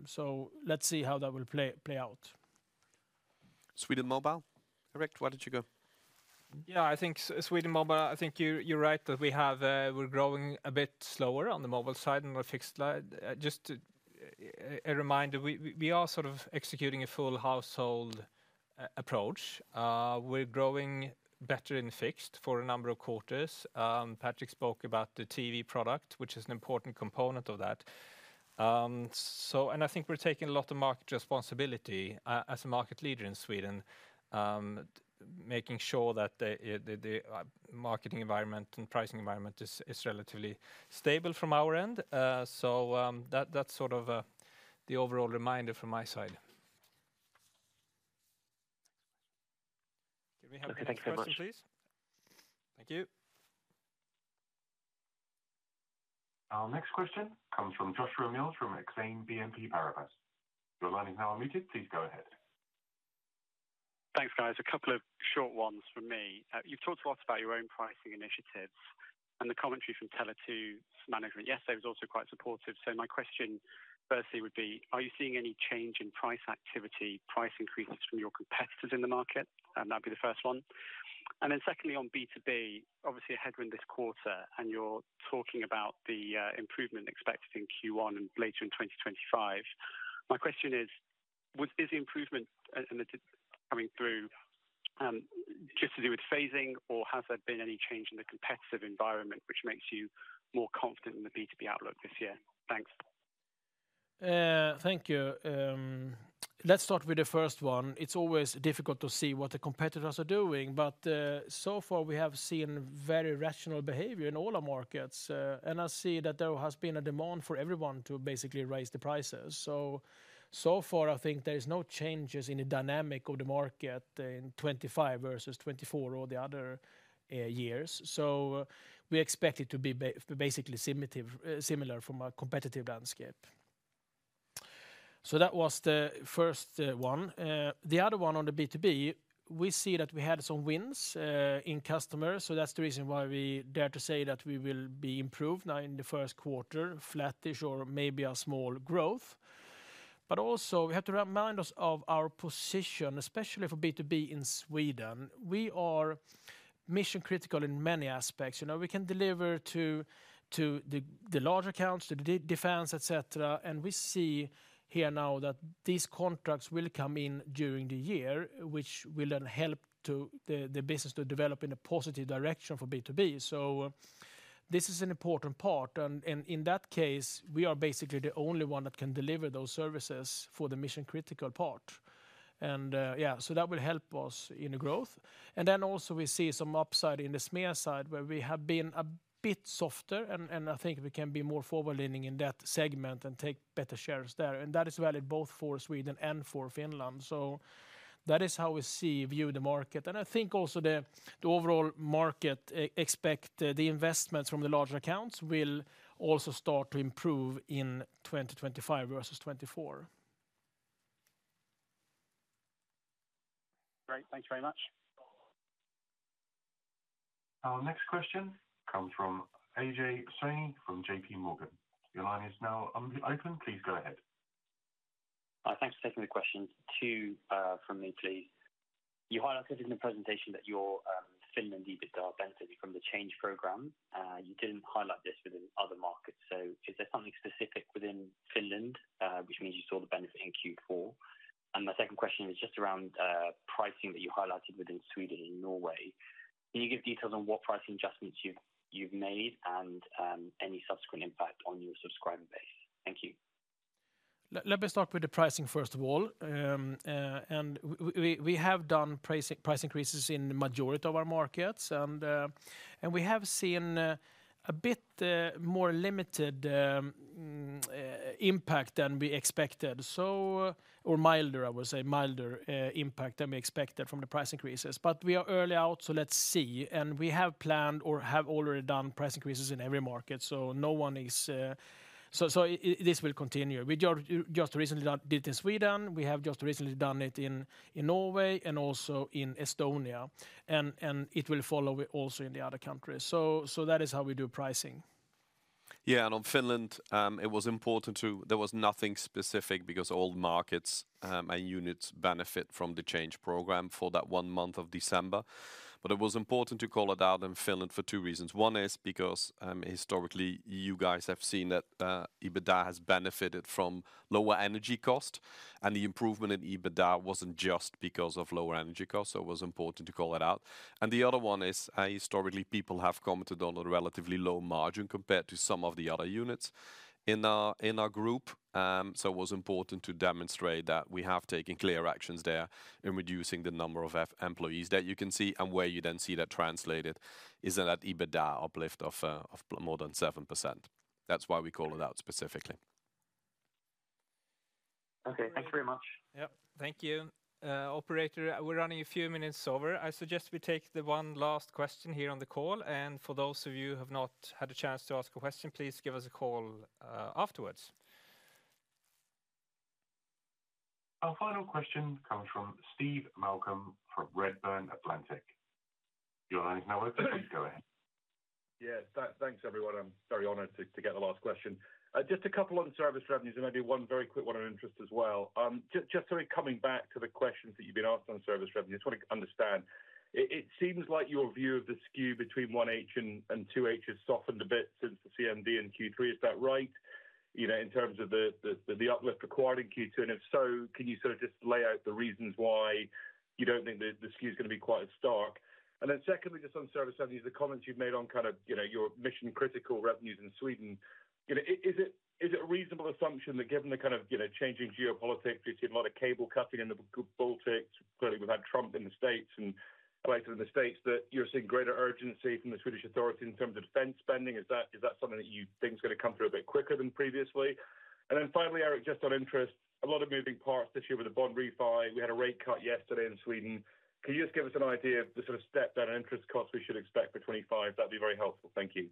So let's see how that will play out. Sweden Mobile. Eric, why don't you go? Yeah, I think Sweden Mobile, I think you're right that we're growing a bit slower on the mobile side and the fixed side. Just a reminder, we are sort of executing a full household approach. We're growing better in fixed for a number of quarters. Patrik spoke about the TV product, which is an important component of that. And I think we're taking a lot of market responsibility as a market leader in Sweden, making sure that the marketing environment and pricing environment is relatively stable from our end. So that's sort of the overall reminder from my side. Can we have a question, please? Thank you. Our next question comes from Joshua Mills from Exane BNP Paribas. Your line is now unmuted. Please go ahead. Thanks, guys. A couple of short ones from me. You've talked a lot about your own pricing initiatives and the commentary from Tele2 management. Yes, they were also quite supportive. So my question firstly would be, are you seeing any change in price activity, price increases from your competitors in the market? And that would be the first one. And then secondly, on B2B, obviously ahead in this quarter, and you're talking about the improvement expected in Q1 and later in 2025. My question is, is the improvement coming through just to do with phasing, or has there been any change in the competitive environment, which makes you more confident in the B2B outlook this year? Thanks. Thank you. Let's start with the first one. It's always difficult to see what the competitors are doing, but so far we have seen very rational behavior in all our markets. I see that there has been a demand for everyone to basically raise the prices. So far, I think there are no changes in the dynamic of the market in 2025 versus 2024 or the other years. So we expect it to be basically similar from a competitive landscape. So that was the first one. The other one on the B2B, we see that we had some wins in customers. So that's the reason why we dare to say that we will be improved now in the first quarter, flattish or maybe a small growth. But also we have to remind us of our position, especially for B2B in Sweden. We are mission critical in many aspects. We can deliver to the large accounts, the defense, etc. We see here now that these contracts will come in during the year, which will then help the business to develop in a positive direction for B2B. This is an important part. In that case, we are basically the only one that can deliver those services for the mission-critical part. Yeah, that will help us in the growth. Then also we see some upside in the SME side where we have been a bit softer, and I think we can be more forward-leaning in that segment and take better shares there. That is valid both for Sweden and for Finland. That is how we view the market. I think also the overall market expects the investments from the large accounts will also start to improve in 2025 versus 2024. Great, thanks very much. Our next question comes from Ajay Soni from JP Morgan. Your line is now unmuted. Ajay, please go ahead. Thanks for taking the question. Two from me, please. You highlighted in the presentation that your Finland EBITDA benefited from the change program. You didn't highlight this within other markets. So is there something specific within Finland, which means you saw the benefit in Q4? And my second question is just around pricing that you highlighted within Sweden and Norway. Can you give details on what pricing adjustments you've made and any subsequent impact on your subscriber base? Thank you. Let me start with the pricing first of all. And we have done price increases in the majority of our markets, and we have seen a bit more limited impact than we expected, or milder, I would say, milder impact than we expected from the price increases. But we are early out, so let's see, and we have planned or have already done price increases in every market, so no one is, so this will continue. We just recently did it in Sweden. We have just recently done it in Norway and also in Estonia, and it will follow also in the other countries, so that is how we do pricing. Yeah, and on Finland, it was important to, there was nothing specific because all the markets and units benefit from the change program for that one month of December, but it was important to call it out in Finland for two reasons. One is because historically you guys have seen that EBITDA has benefited from lower energy cost, and the improvement in EBITDA wasn't just because of lower energy cost, so it was important to call it out. And the other one is historically people have committed on a relatively low margin compared to some of the other units in our group. So it was important to demonstrate that we have taken clear actions there in reducing the number of employees that you can see, and where you then see that translated is in that EBITDA uplift of more than 7%. That's why we call it out specifically. Okay, thanks very much. Yeah, thank you. Operator, we're running a few minutes over. I suggest we take the one last question here on the call. And for those of you who have not had a chance to ask a question, please give us a call afterwards. Our final question comes from Steve Malcolm from Redburn Atlantic. Your line is now open. Please go ahead. Yes, thanks everyone. I'm very honored to get the last question. Just a couple on service revenues, and maybe one very quick one on interest as well. Just sort of coming back to the questions that you've been asked on service revenue, I just want to understand. It seems like your view of the skew between 1H and 2H has softened a bit since the CMD in Q3. Is that right? In terms of the uplift required in Q2, and if so, can you sort of just lay out the reasons why you don't think the skew is going to be quite as stark? And then secondly, just on service revenues, the comments you've made on kind of your mission-critical revenues in Sweden, is it a reasonable assumption that given the kind of changing geopolitics, we've seen a lot of cable cutting in the Baltics, clearly we've had Trump in the States and elected in the States, that you're seeing greater urgency from the Swedish authorities in terms of defense spending? Is that something that you think is going to come through a bit quicker than previously? And then finally, Eric, just on interest, a lot of moving parts this year with the bond refi. We had a rate cut yesterday in Sweden. Can you just give us an idea of the sort of step down in interest costs we should expect for 25? That'd be very helpful. Thank you.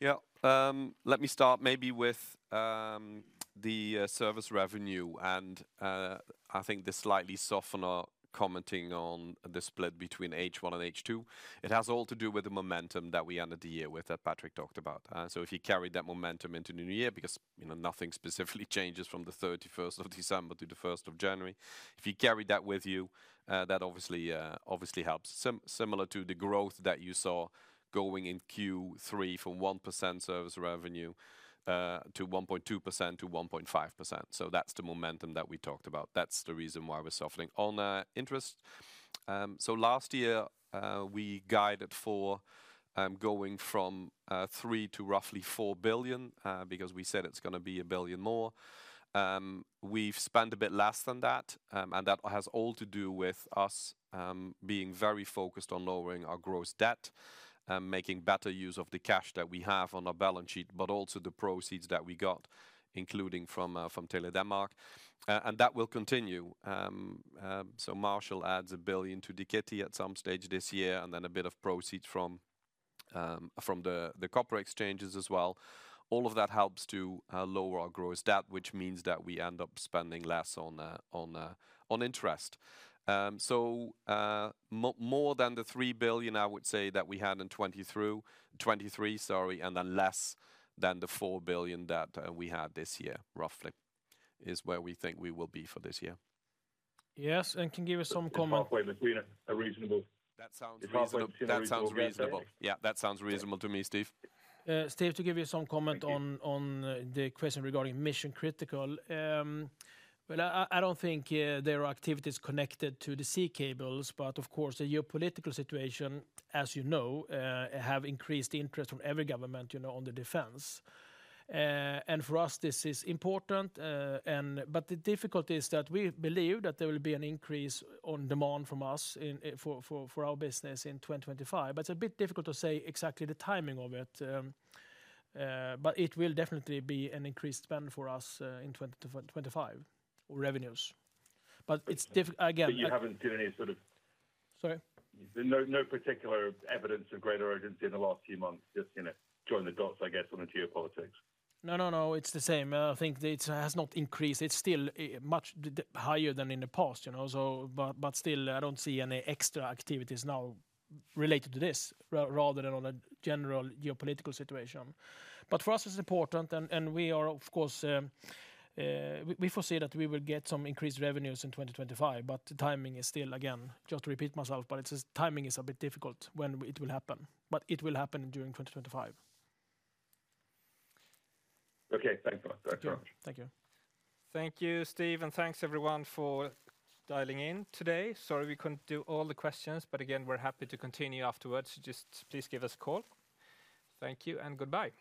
Yeah, let me start maybe with the service revenue, and I think this slightly soften our commenting on the split between H1 and H2. It has all to do with the momentum that we ended the year with that Patrik talked about. So if you carry that momentum into the new year, because nothing specifically changes from the 31st of December to the 1st of January, if you carry that with you, that obviously helps. Similar to the growth that you saw going in Q3 from 1% service revenue to 1.2% to 1.5%. So that's the momentum that we talked about. That's the reason why we're softening. On interest, so last year we guided for going from three to roughly four billion because we said it's going to be a billion more. We've spent a bit less than that, and that has all to do with us being very focused on lowering our gross debt and making better use of the cash that we have on our balance sheet, but also the proceeds that we got, including from Telia Denmark. And that will continue. So metal adds 1 billion to liquidity at some stage this year, and then a bit of proceeds from the copper exchanges as well. All of that helps to lower our gross debt, which means that we end up spending less on interest. So more than the 3 billion, I would say, that we had in 2023, sorry, and then less than the 4 billion that we had this year, roughly, is where we think we will be for this year. Yes, and can you give us some comment? That sounds reasonable. That sounds reasonable. Yeah, that sounds reasonable to me, Steve. Steve, to give you some comment on the question regarding mission-critical, I don't think there are activities connected to the sea cables, but of course the geopolitical situation, as you know, has increased interest from every government on the defense, and for us, this is important, but the difficulty is that we believe that there will be an increase in demand from us for our business in 2025, but it's a bit difficult to say exactly the timing of it, but it will definitely be an increased spend for us in 2025, or revenues, but it's difficult, again. You haven't seen any sort of. Sorry? No particular evidence of greater urgency in the last few months, just join the dots, I guess, on the geopolitics. No, no, no, it's the same. I think it has not increased. It's still much higher than in the past. But still, I don't see any extra activities now related to this, rather than on a general geopolitical situation. But for us, it's important, and we are, of course, we foresee that we will get some increased revenues in 2025. But the timing is still, again, just to repeat myself, but it's a timing is a bit difficult when it will happen. But it will happen during 2025. Okay, thanks very much. Thank you. Thank you, Steve, and thanks everyone for dialing in today. Sorry, we couldn't do all the questions, but again, we're happy to continue afterwards. Just please give us a call. Thank you, and goodbye.